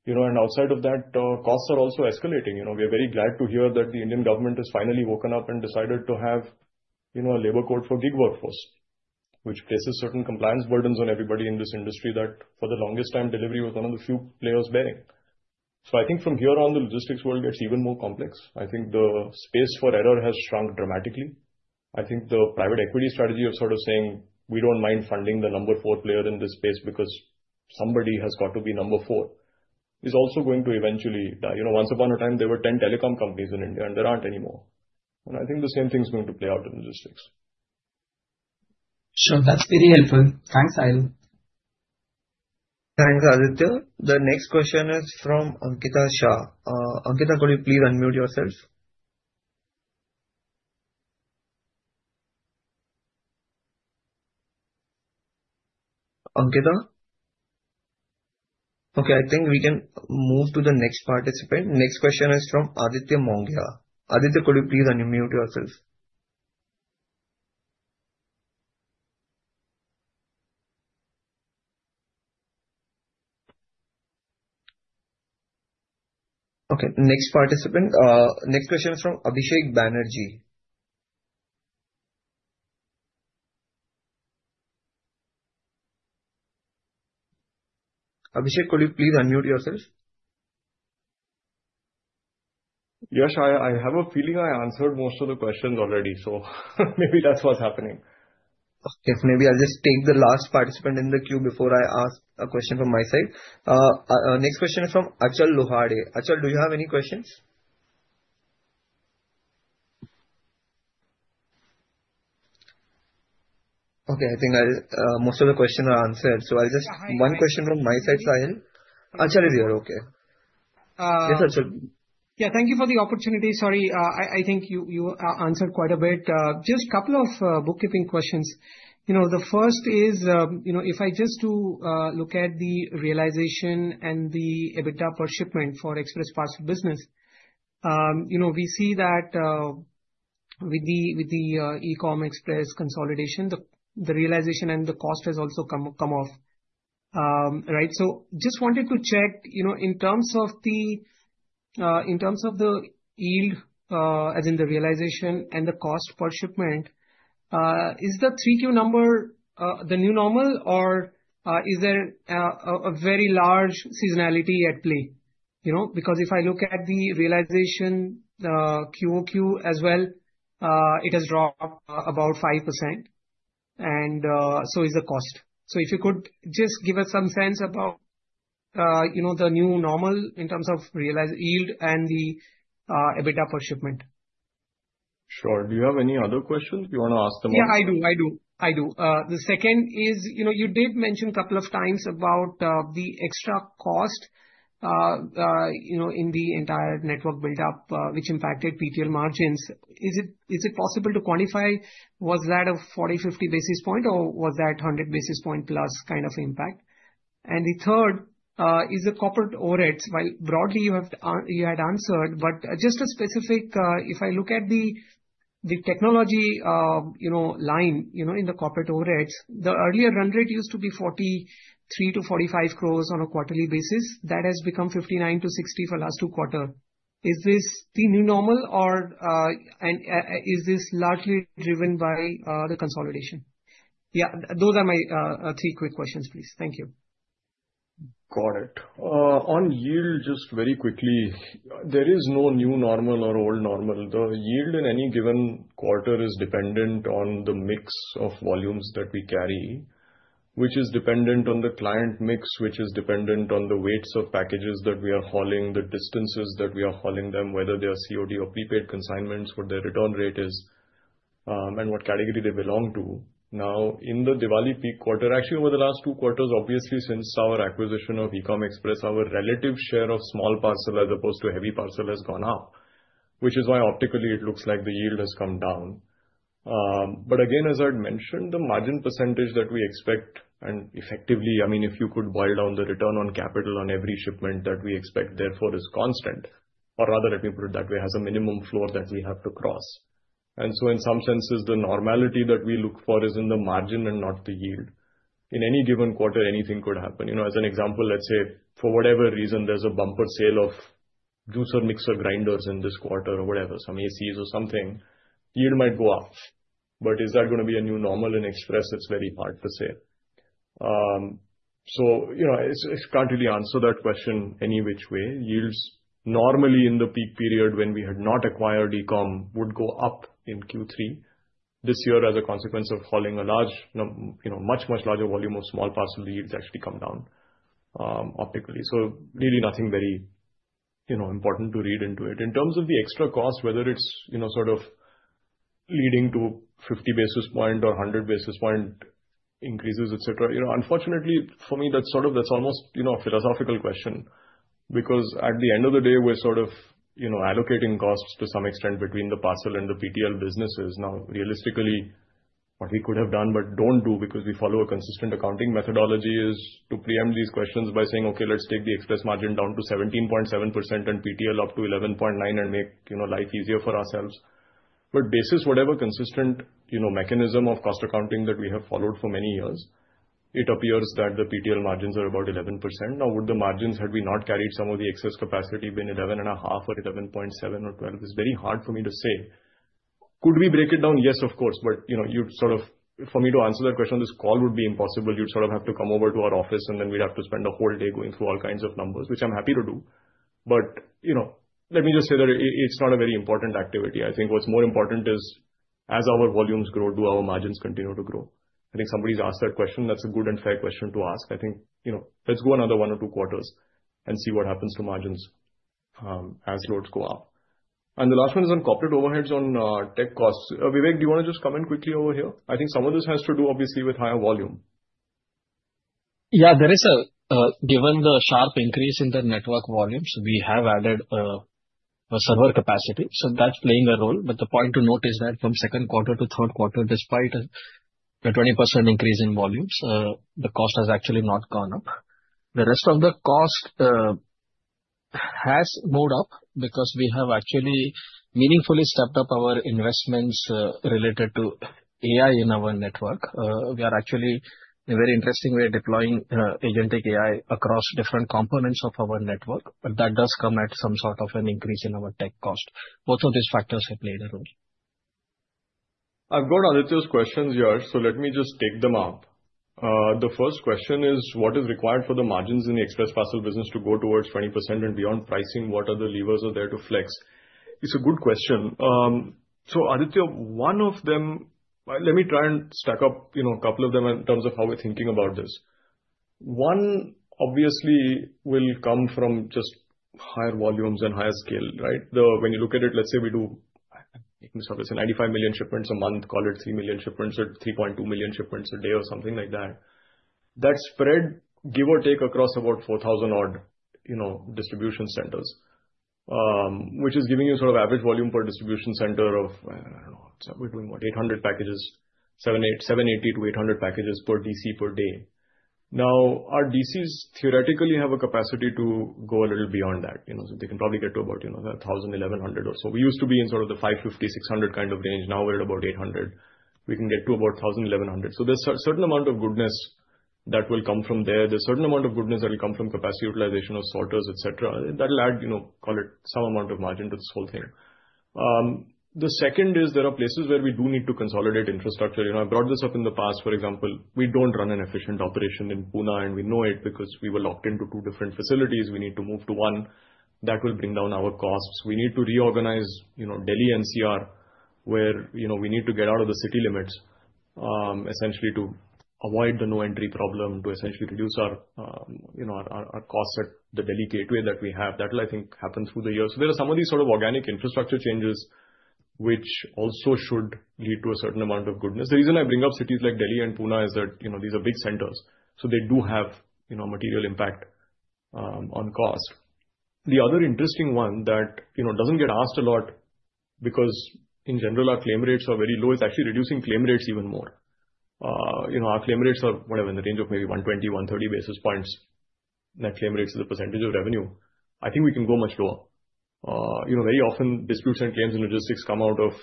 You know, and outside of that, costs are also escalating. You know, we are very glad to hear that the Indian government has finally woken up and decided to have, you know, a labor code for gig workforce, which places certain compliance burdens on everybody in this industry that, for the longest time, delivery was one of the few players bearing. So I think from here on, the logistics world gets even more complex. I think the space for error has shrunk dramatically. I think the private equity strategy of sort of saying, "We don't mind funding the number 4 player in this space because somebody has got to be number 4," is also going to eventually die. You know, once upon a time, there were 10 telecom companies in India, and there aren't anymore. And I think the same thing is going to play out in logistics. Sure. That's very helpful. Thanks, Sahil. Thanks, Aditya. The next question is from Ankita Shah. Ankita, could you please unmute yourself? Ankita? Okay, I think we can move to the next participant. Next question is from Aditya Mongia. Aditya, could you please unmute yourself? Okay, next participant. Next question is from Abhishek Banerjee. Abhishek, could you please unmute yourself? Yes, I have a feeling I answered most of the questions already, so maybe that's what's happening. Okay, maybe I'll just take the last participant in the queue before I ask a question from my side. Next question is from Achal Lohade. Achal, do you have any questions? Okay, I think most of the questions are answered, so I'll just-- Hi. One question from my side, Sahil. Achal is here, okay. Yes, Achal? Yeah, thank you for the opportunity. Sorry, I think you answered quite a bit. Just couple of bookkeeping questions. You know, the first is, you know, if I just to look at the realization and the EBITDA per shipment for express parcel business, you know, we see that with the Ecom Express consolidation, the realization and the cost has also come off. Right? So just wanted to check, you know, in terms of the yield, as in the realization and the cost per shipment, is the 3Q number the new normal, or is there a very large seasonality at play? You know, because if I look at the realization, Q-o-Q as well, it has dropped about 5%, and so is the cost. So if you could just give us some sense about, you know, the new normal in terms of realized yield and the EBITDA per shipment. Sure. Do you have any other questions you want to ask them also? Yeah, I do. The second is, you know, you did mention couple of times about the extra cost, you know, in the entire network build-up, which impacted PTL margins. Is it possible to quantify? Was that a 40-50 basis points, or was that 100 basis points plus kind of impact? And the third is the corporate overheads. While broadly you have you had answered, but just a specific. If I look at the technology line, you know, in the corporate overheads, the earlier run rate used to be 43 crores-45 crores on a quarterly basis. That has become 59 crores-60 crores for the last two quarter. Is this the new normal or is this largely driven by the consolidation? Yeah, those are my three quick questions, please. Thank you. Got it. On yield, just very quickly, there is no new normal or old normal. The yield in any given quarter is dependent on the mix of volumes that we carry, which is dependent on the client mix, which is dependent on the weights of packages that we are hauling, the distances that we are hauling them, whether they are COD or prepaid consignments, what their return rate is, and what category they belong to. Now, in the Diwali peak quarter, actually over the last two quarters, obviously, since our acquisition of Ecom Express, our relative share of small parcel as opposed to heavy parcel has gone up, which is why optically it looks like the yield has come down. But again, as I'd mentioned, the margin percentage that we expect, and effectively, I mean, if you could boil down the return on capital on every shipment that we expect, therefore, is constant, or rather, let me put it that way, has a minimum floor that we have to cross. So in some senses, the normality that we look for is in the margin and not the yield. In any given quarter, anything could happen. You know, as an example, let's say for whatever reason, there's a bumper sale of juicer, mixer, grinders in this quarter or whatever, some ACs or something, yield might go up. But is that gonna be a new normal in Express? It's very hard to say. You know, it can't really answer that question any which way. Yields normally in the peak period when we had not acquired Ecom, would go up in Q3. This year, as a consequence of hauling a large, you know, much, much larger volume of small parcel yields, actually come down, optically. So really nothing very, you know, important to read into it. In terms of the extra cost, whether it's, you know, sort of leading to 50 basis point or a 100 basis point increases, et cetera, you know, unfortunately, for me, that's sort of, that's almost, you know, a philosophical question, because at the end of the day, we're sort of, you know, allocating costs to some extent between the parcel and the PTL businesses. Now, realistically, what we could have done but don't do, because we follow a consistent accounting methodology, is to preempt these questions by saying: Okay, let's take the express margin down to 17.7% and PTL up to 11.9% and make, you know, life easier for ourselves. But basis, whatever consistent, you know, mechanism of cost accounting that we have followed for many years, it appears that the PTL margins are about 11%. Now, would the margins, had we not carried some of the excess capacity, been 11.5% or 11.7% or 12%? It's very hard for me to say. Could we break it down? Yes, of course, but, you know, you'd sort of... For me to answer that question on this call would be impossible. You'd sort of have to come over to our office, and then we'd have to spend a whole day going through all kinds of numbers, which I'm happy to do. But, you know, let me just say that it's not a very important activity. I think what's more important is, as our volumes grow, do our margins continue to grow? I think somebody's asked that question. That's a good and fair question to ask. I think, you know, let's go another one or two quarters and see what happens to margins as loads go up. And the last one is on corporate overheads on tech costs. Vivek, do you wanna just comment quickly over here? I think some of this has to do, obviously, with higher volume. Yeah, there is a. Given the sharp increase in the network volumes, we have added a server capacity, so that's playing a role. But the point to note is that from second quarter to third quarter, despite a 20% increase in volumes, the cost has actually not gone up. The rest of the cost has moved up because we have actually meaningfully stepped up our investments related to AI in our network. We are actually, in a very interesting way, deploying agentic AI across different components of our network, but that does come at some sort of an increase in our tech cost. Both of these factors have played a role. I've got Aditya's questions here, so let me just take them up. The first question is: What is required for the margins in the express parcel business to go towards 20% and beyond pricing? What other levers are there to flex? It's a good question. So Aditya, one of them, let me try and stack up, you know, a couple of them in terms of how we're thinking about this. One, obviously, will come from just higher volumes and higher scale, right? The, when you look at it, let's say we do 95 million shipments a month, call it 3 million shipments or 3.2 million shipments a day or something like that. That's spread, give or take, across about 4,000 odd, you know, distribution centers, which is giving you sort of average volume per distribution center of, I don't know, so we're doing what? 800 packages, 780-800 packages per DC per day. Now, our DCs theoretically have a capacity to go a little beyond that, you know, so they can probably get to about, you know, 1,000-1,100 or so. We used to be in sort of the 550-600 kind of range. Now we're at about 800. We can get to about 1,000-1,100. So there's a certain amount of goodness that will come from there. There's a certain amount of goodness that will come from capacity utilization of sorters, etc. That'll add, you know, call it, some amount of margin to this whole thing. The second is there are places where we do need to consolidate infrastructure. You know, I've brought this up in the past, for example, we don't run an efficient operation in Pune, and we know it because we were locked into two different facilities. We need to move to one. That will bring down our costs. We need to reorganize, you know, Delhi NCR, where, you know, we need to get out of the city limits, essentially to avoid the no-entry problem, to essentially reduce our, you know, our costs at the Delhi gateway that we have. That will, I think, happen through the years. So there are some of these sort of organic infrastructure changes, which also should lead to a certain amount of goodness. The reason I bring up cities like Delhi and Pune is that, you know, these are big centers, so they do have, you know, material impact on cost. The other interesting one that, you know, doesn't get asked a lot, because in general, our claim rates are very low, is actually reducing claim rates even more. You know, our claim rates are, whatever, in the range of maybe 120-130 basis points. Net claim rates as a percentage of revenue. I think we can go much lower. You know, very often disputes and claims in logistics come out of,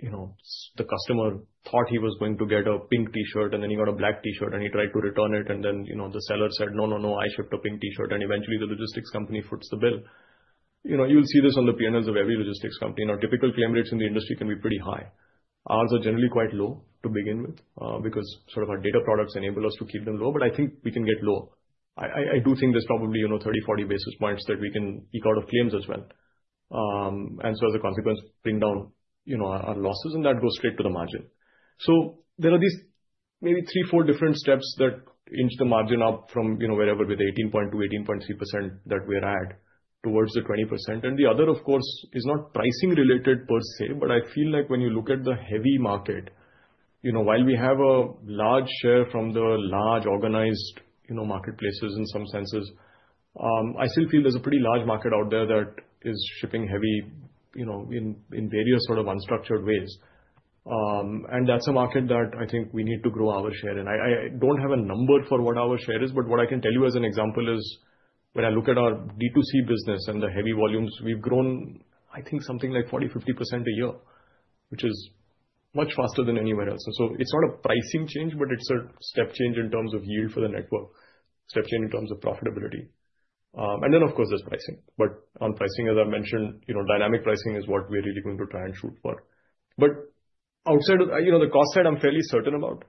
you know, the customer thought he was going to get a pink T-shirt, and then he got a black T-shirt, and he tried to return it, and then, you know, the seller said, "No, no, no, I shipped a pink T-shirt." And eventually, the logistics company foots the bill. You know, you'll see this on the P&Ls of every logistics company. You know, typical claim rates in the industry can be pretty high. Ours are generally quite low to begin with, because sort of our data products enable us to keep them low, but I think we can get lower. I do think there's probably, you know, 30, 40 basis points that we can eke out of claims as well. So as a consequence, bring down, you know, our, our losses, and that goes straight to the margin. There are these maybe three, four different steps that inch the margin up from, you know, wherever, with 18.2%-18.3% that we're at, towards the 20%. The other, of course, is not pricing related per se, but I feel like when you look at the heavy market, you know, while we have a large share from the large organized, you know, marketplaces in some senses, I still feel there's a pretty large market out there that is shipping heavy, you know, in, in various sort of unstructured ways. That's a market that I think we need to grow our share in. I don't have a number for what our share is, but what I can tell you as an example is when I look at our D2C business and the heavy volumes we've grown, I think something like 40%-50% a year, which is much faster than anyone else's. So it's not a pricing change, but it's a step change in terms of yield for the network, step change in terms of profitability. And then, of course, there's pricing. But on pricing, as I mentioned, you know, dynamic pricing is what we're really going to try and shoot for. But outside of, you know, the cost side, I'm fairly certain about.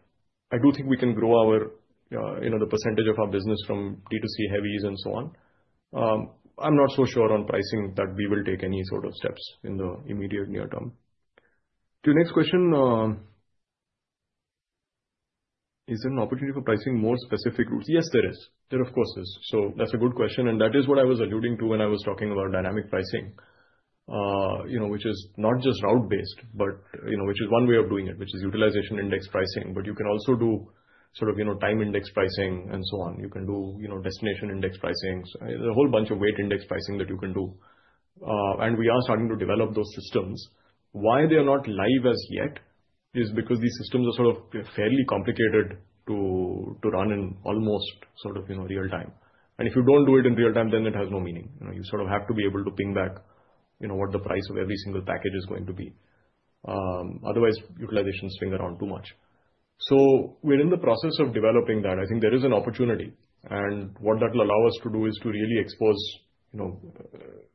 I do think we can grow our, you know, the percentage of our business from D2C heavies and so on. I'm not so sure on pricing that we will take any sort of steps in the immediate near term. To the next question, is there an opportunity for pricing more specific routes? Yes, there is. There, of course, is. So that's a good question, and that is what I was alluding to when I was talking about dynamic pricing. You know, which is not just route-based, but, you know, which is one way of doing it, which is utilization index pricing. But you can also do sort of, you know, time index pricing and so on. You can do, you know, destination index pricing. There are a whole bunch of weight index pricing that you can do, and we are starting to develop those systems. Why they are not live as yet, is because these systems are sort of fairly complicated to run in almost sort of, you know, real time. And if you don't do it in real time, then it has no meaning. You know, you sort of have to be able to ping back, you know, what the price of every single package is going to be. Otherwise, utilization swings around too much. So we're in the process of developing that. I think there is an opportunity, and what that will allow us to do is to really expose, you know,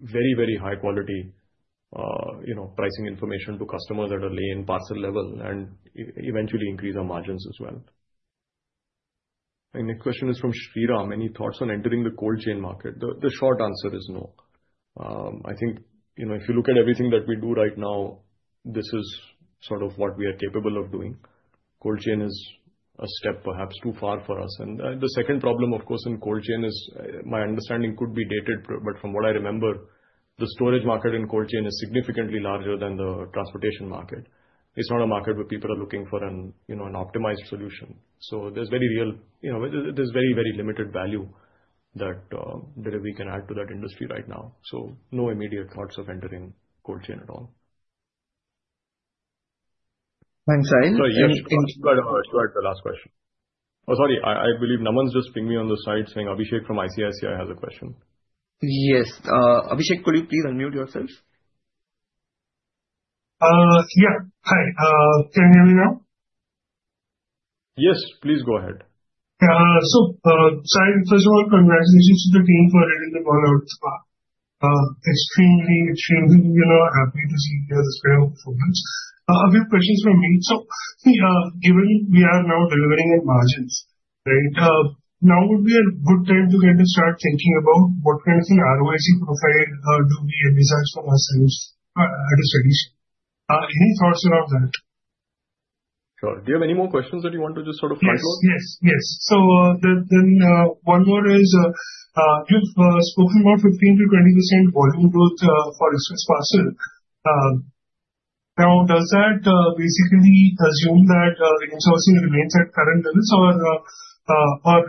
very, very high quality, you know, pricing information to customers that are playing at parcel level and eventually increase our margins as well. And the question is from Shriram: Any thoughts on entering the cold chain market? The short answer is no. I think, you know, if you look at everything that we do right now, this is sort of what we are capable of doing. Cold chain is a step perhaps too far for us. The second problem, of course, in cold chain is, my understanding could be dated, but from what I remember, the storage market in cold chain is significantly larger than the transportation market. It's not a market where people are looking for an, you know, an optimized solution. So there's very real--you know, there, there's very, very limited value that, that we can add to that industry right now. So no immediate thoughts of entering cold chain at all. Thanks, Sahil. Sorry, yes, let's go to the last question. Oh, sorry, I, I believe Naman's just pinged me on the side, saying Abhishek from ICICI has a question. Yes. Abhishek, could you please unmute yourself? Yeah. Hi, can you hear me now? Yes, please go ahead. So, Sahil, first of all, congratulations to the team for getting the call out. Extremely, extremely, you know, happy to see the scale of focus. A few questions from me. So, given we are now delivering in margins, right, now would be a good time to get to start thinking about what kind of thing ROIC profile do we envisage from ourselves at a steady state. Any thoughts around that? Sure. Do you have any more questions that you want to just sort of find out? Yes, yes, yes. So, then, one more is, you've spoken about 15%-20% volume growth for express parcel. Now, does that basically assume that the insourcing remains at current levels or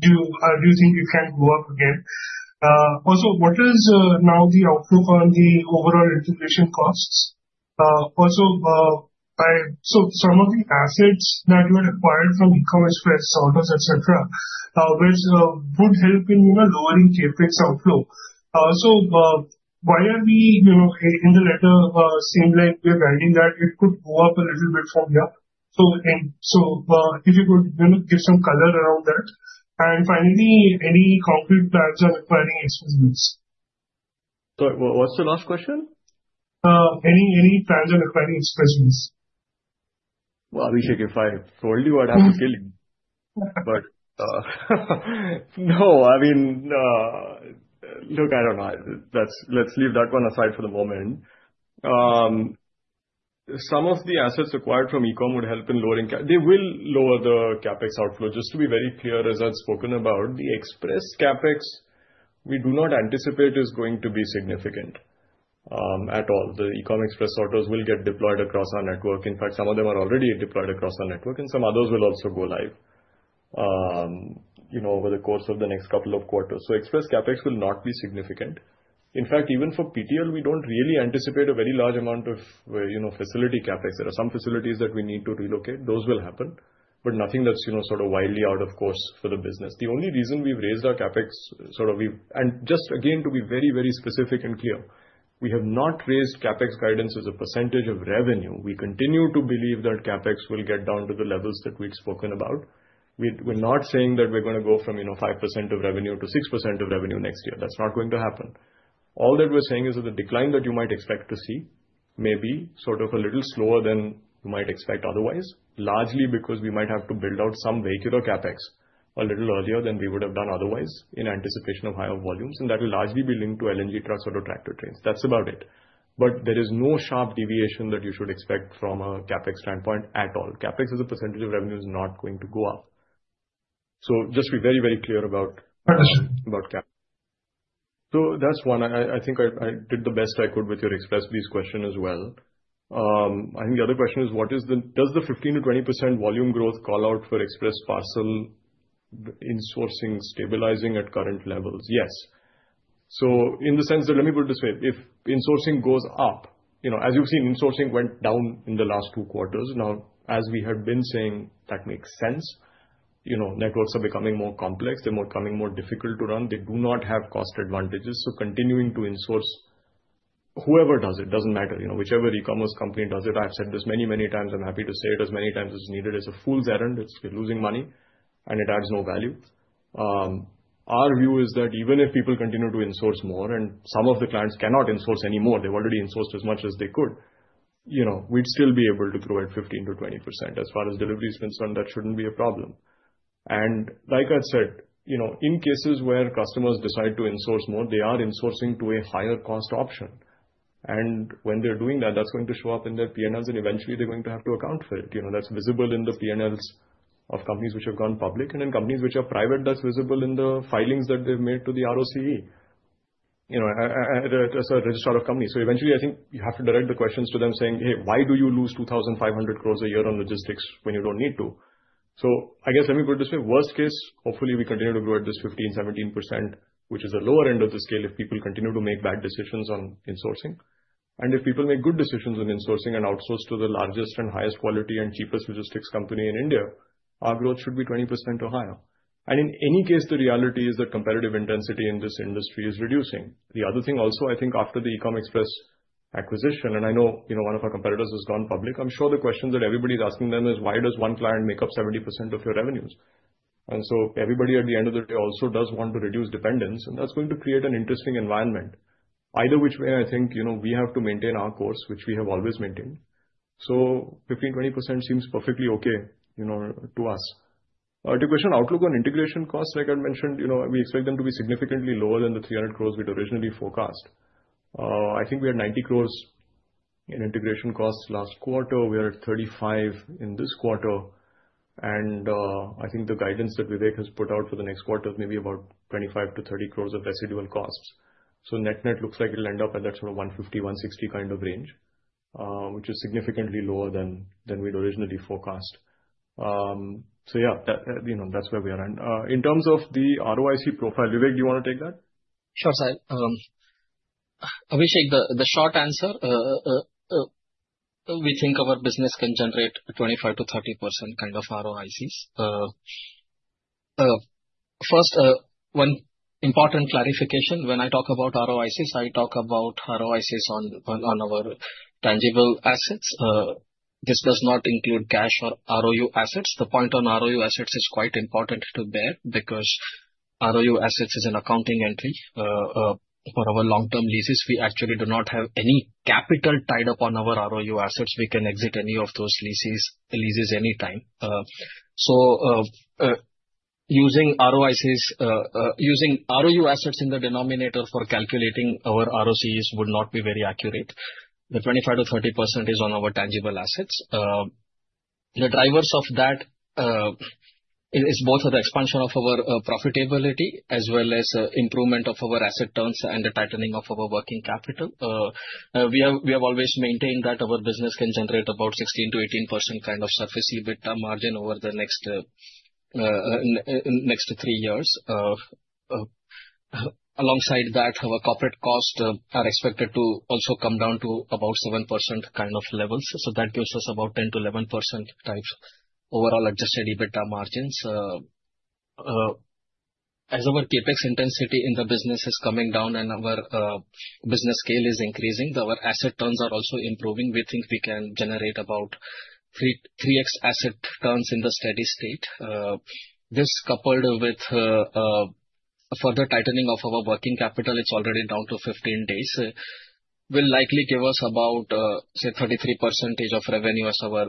do you think it can go up again? Also, what is now the outlook on the overall integration costs? Also, so some of the assets that you had acquired from Ecom Express, sorters, et cetera, which would help in, you know, lowering CapEx outflow. So, why are we, you know, in the letter, saying like we're guiding that it could go up a little bit from here? So, if you could, you know, give some color around that. And finally, any concrete plans on acquiring Ecom Express? Sorry, what, what's the last question? Any plans on acquiring Ecom Express? Well, Abhishek, if I told you, I'd have to kill you. But, no, I mean, look, I don't know. Let's, let's leave that one aside for the moment. Some of the assets acquired from Ecom would help in lowering CapEx. They will lower the CapEx outflow. Just to be very clear, as I've spoken about, the express CapEx, we do not anticipate is going to be significant, at all. The Ecom Express sorters will get deployed across our network. In fact, some of them are already deployed across our network, and some others will also go live, you know, over the course of the next couple of quarters. So express CapEx will not be significant. In fact, even for PTL, we don't really anticipate a very large amount of, you know, facility CapEx. There are some facilities that we need to relocate. Those will happen, but nothing that's, you know, sort of wildly out of course for the business. The only reason we've raised our CapEx. Just again, to be very, very specific and clear, we have not raised CapEx guidance as a percentage of revenue. We continue to believe that CapEx will get down to the levels that we'd spoken about. We're not saying that we're gonna go from, you know, 5% of revenue to 6% of revenue next year. That's not going to happen. All that we're saying is that the decline that you might expect to see may be sort of a little slower than you might expect otherwise, largely because we might have to build out some vehicular CapEx a little earlier than we would have done otherwise, in anticipation of higher volumes, and that will largely be linked to LNG trucks or tractor-trailers. That's about it. But there is no sharp deviation that you should expect from a CapEx standpoint at all. CapEx as a percentage of revenue is not going to go up. So just to be very, very clear about CapEx. So that's one. I think I did the best I could with your express business question as well. I think the other question is: What is the- Does the 15%-20% volume growth call out for express parcel insourcing stabilizing at current levels? Yes. So in the sense that, let me put it this way, if insourcing goes up, you know, as you've seen, insourcing went down in the last two quarters. Now, as we have been saying, that makes sense. You know, networks are becoming more complex, they're becoming more difficult to run, they do not have cost advantages, so continuing to in-source, whoever does it, doesn't matter, you know, whichever e-commerce company does it, I've said this many, many times, I'm happy to say it as many times as needed, it's a fool's errand, it's- you're losing money, and it adds no value. Our view is that even if people continue to in-source more, and some of the clients cannot in-source anymore, they've already in-sourced as much as they could, you know, we'd still be able to grow at 15%-20%. As far as Delhivery is concerned, that shouldn't be a problem. And like I said, you know, in cases where customers decide to in-source more, they are in-sourcing to a higher cost option. And when they're doing that, that's going to show up in their P&Ls, and eventually they're going to have to account for it. You know, that's visible in the P&Ls of companies which have gone public, and in companies which are private, that's visible in the filings that they've made to the RoC, you know, the, as a registrar of companies. So eventually, I think you have to direct the questions to them saying, "Hey, why do you lose 2,500 crore a year on logistics when you don't need to?" So I guess, let me put it this way, worst case, hopefully we continue to grow at this 15%-17%, which is the lower end of the scale, if people continue to make bad decisions on in-sourcing. And if people make good decisions on in-sourcing and outsource to the largest and highest quality and cheapest logistics company in India, our growth should be 20% or higher. And in any case, the reality is that competitive intensity in this industry is reducing. The other thing also, I think after the Ecom Express acquisition, and I know, you know, one of our competitors has gone public, I'm sure the question that everybody's asking them is: Why does one client make up 70% of your revenues? And so everybody at the end of the day also does want to reduce dependence, and that's going to create an interesting environment. Either which way, I think, you know, we have to maintain our course, which we have always maintained. So 15%-20% seems perfectly okay, you know, to us. Our depressed outlook on integration costs, like I mentioned, you know, we expect them to be significantly lower than the 300 crores we'd originally forecast. I think we are 90 crores in integration costs last quarter, we are at 35 crores in this quarter, and I think the guidance that Vivek has put out for the next quarter is maybe about 25 crores-30 crores of residual costs. So net-net looks like it'll end up at that sort of 150-160 kind of range, which is significantly lower than we'd originally forecast. So yeah, that, you know, that's where we are. And in terms of the ROIC profile, Vivek, do you want to take that? Sure, Sahil. Abhishek, the short answer, we think our business can generate a 25%-30% kind of ROICs. First, one important clarification, when I talk about ROICs, I talk about ROICs on our tangible assets. This does not include cash or ROU assets. The point on ROU assets is quite important to bear, because ROU assets is an accounting entry. For our long-term leases, we actually do not have any capital tied up on our ROU assets. We can exit any of those leases anytime. So, using ROICs, using ROU assets in the denominator for calculating our ROCEs would not be very accurate. The 25%-30% is on our tangible assets. The drivers of that, it is both the expansion of our profitability as well as improvement of our asset terms and the tightening of our working capital. We have always maintained that our business can generate about 16%-18% kind of service EBITDA margin over the next three years. Alongside that, our corporate costs are expected to also come down to about 7% kind of levels, so that gives us about 10%-11% type overall adjusted EBITDA margins. As our CapEx intensity in the business is coming down and our business scale is increasing, our asset terms are also improving. We think we can generate about 3x asset turns in the steady state. This, coupled with further tightening of our working capital, it's already down to 15 days, will likely give us about, say, 33% of revenue as our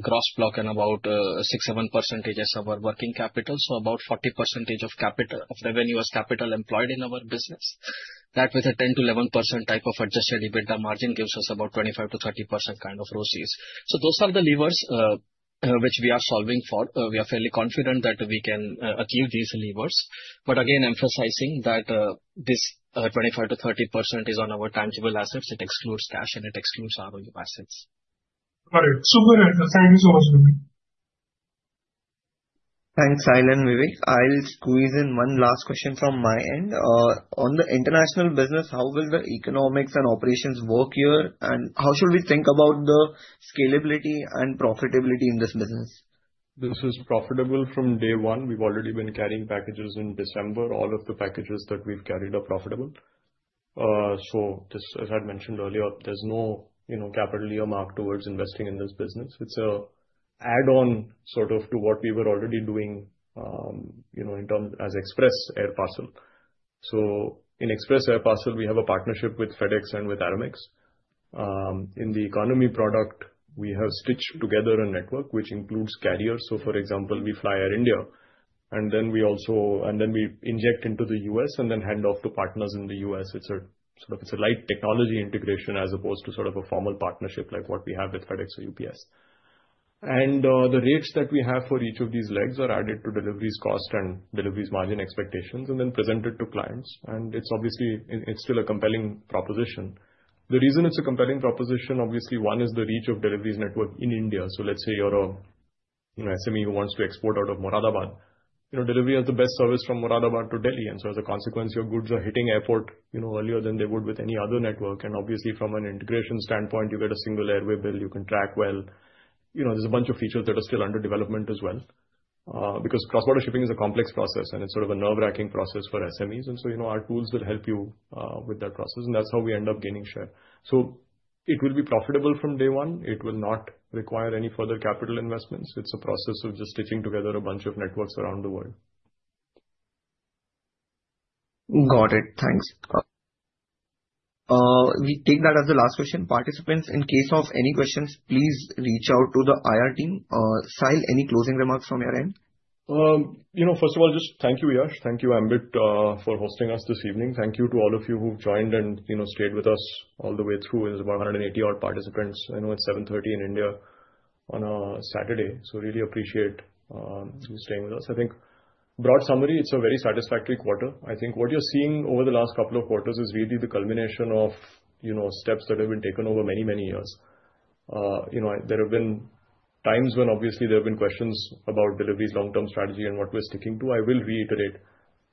gross block and about, 6%-7% as our working capital. So about 40% of capital--of revenue as capital employed in our business. That with a 10%-11% type of adjusted EBITDA margin, gives us about 25%-30% kind of ROCEs. So those are the levers, which we are solving for. We are fairly confident that we can achieve these levers, but again, emphasizing that, this, 25%-30% is on our tangible assets. It excludes cash, and it excludes ROU assets. Got it. Super, thank you so much, Vivek. Thanks, Sahil and Vivek. I'll squeeze in one last question from my end. On the international business, how will the economics and operations work here? And how should we think about the scalability and profitability in this business? This is profitable from day one. We've already been carrying packages in December. All of the packages that we've carried are profitable. So just as I'd mentioned earlier, there's no, you know, capital earmarked towards investing in this business. It's a add-on, sort of, to what we were already doing, you know, in terms as express air parcel. So in express air parcel, we have a partnership with FedEx and with Aramex. In the economy product, we have stitched together a network, which includes carriers. So, for example, we fly Air India, and then we inject into the U.S. and then hand off to partners in the U.S. It's a, sort of, it's a light technology integration as opposed to sort of a formal partnership, like what we have with FedEx or UPS. And, the rates that we have for each of these legs are added to Delhivery's cost and Delhivery's margin expectations, and then presented to clients. And it's obviously, it, it's still a compelling proposition. The reason it's a compelling proposition, obviously, one is the reach of Delhivery's network in India. So let's say you're a, you know, SME who wants to export out of Moradabad. You know, Delhi has the best service from Ahmedabad to Delhi, and so as a consequence, your goods are hitting airport, you know, earlier than they would with any other network. And obviously, from an integration standpoint, you get a single airway bill you can track well. You know, there's a bunch of features that are still under development as well, because cross-border shipping is a complex process, and it's sort of a nerve-wracking process for SMEs. And so, you know, our tools will help you, with that process, and that's how we end up gaining share. So it will be profitable from day one. It will not require any further capital investments. It's a process of just stitching together a bunch of networks around the world. Got it. Thanks. We take that as the last question. Participants, in case of any questions, please reach out to the IR team. Sahil, any closing remarks from your end? You know, first of all, just thank you, Yash. Thank you, Ambit, for hosting us this evening. Thank you to all of you who joined and, you know, stayed with us all the way through. It is about 180-odd participants. I know it's 7:30 P.M. in India on a Saturday, so really appreciate you staying with us. I think, broad summary, it's a very satisfactory quarter. I think what you're seeing over the last couple of quarters is really the culmination of, you know, steps that have been taken over many, many years. You know, there have been times when obviously there have been questions about Delhivery's long-term strategy and what we're sticking to. I will reiterate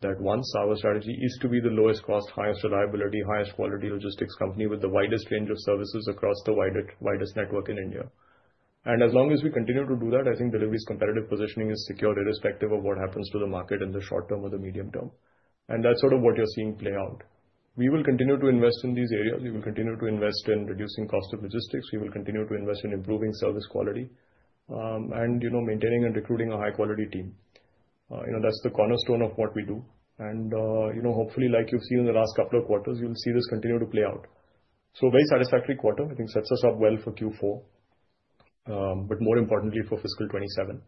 that one, our strategy is to be the lowest cost, highest reliability, highest quality logistics company with the widest range of services across the widest network in India. As long as we continue to do that, I think Delhivery's competitive positioning is secure, irrespective of what happens to the market in the short term or the medium term, and that's sort of what you're seeing play out. We will continue to invest in these areas. We will continue to invest in reducing cost of logistics. We will continue to invest in improving service quality, and, you know, maintaining and recruiting a high-quality team. You know, that's the cornerstone of what we do, and, you know, hopefully, like you've seen in the last couple of quarters, you'll see this continue to play out. So very satisfactory quarter, I think sets us up well for Q4, but more importantly for fiscal 2027.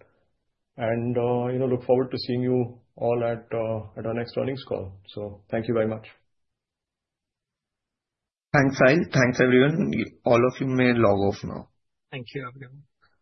You know, look forward to seeing you all at our next earnings call. So thank you very much. Thanks, Sahil. Thanks, everyone. All of you may log off now. Thank you, everyone.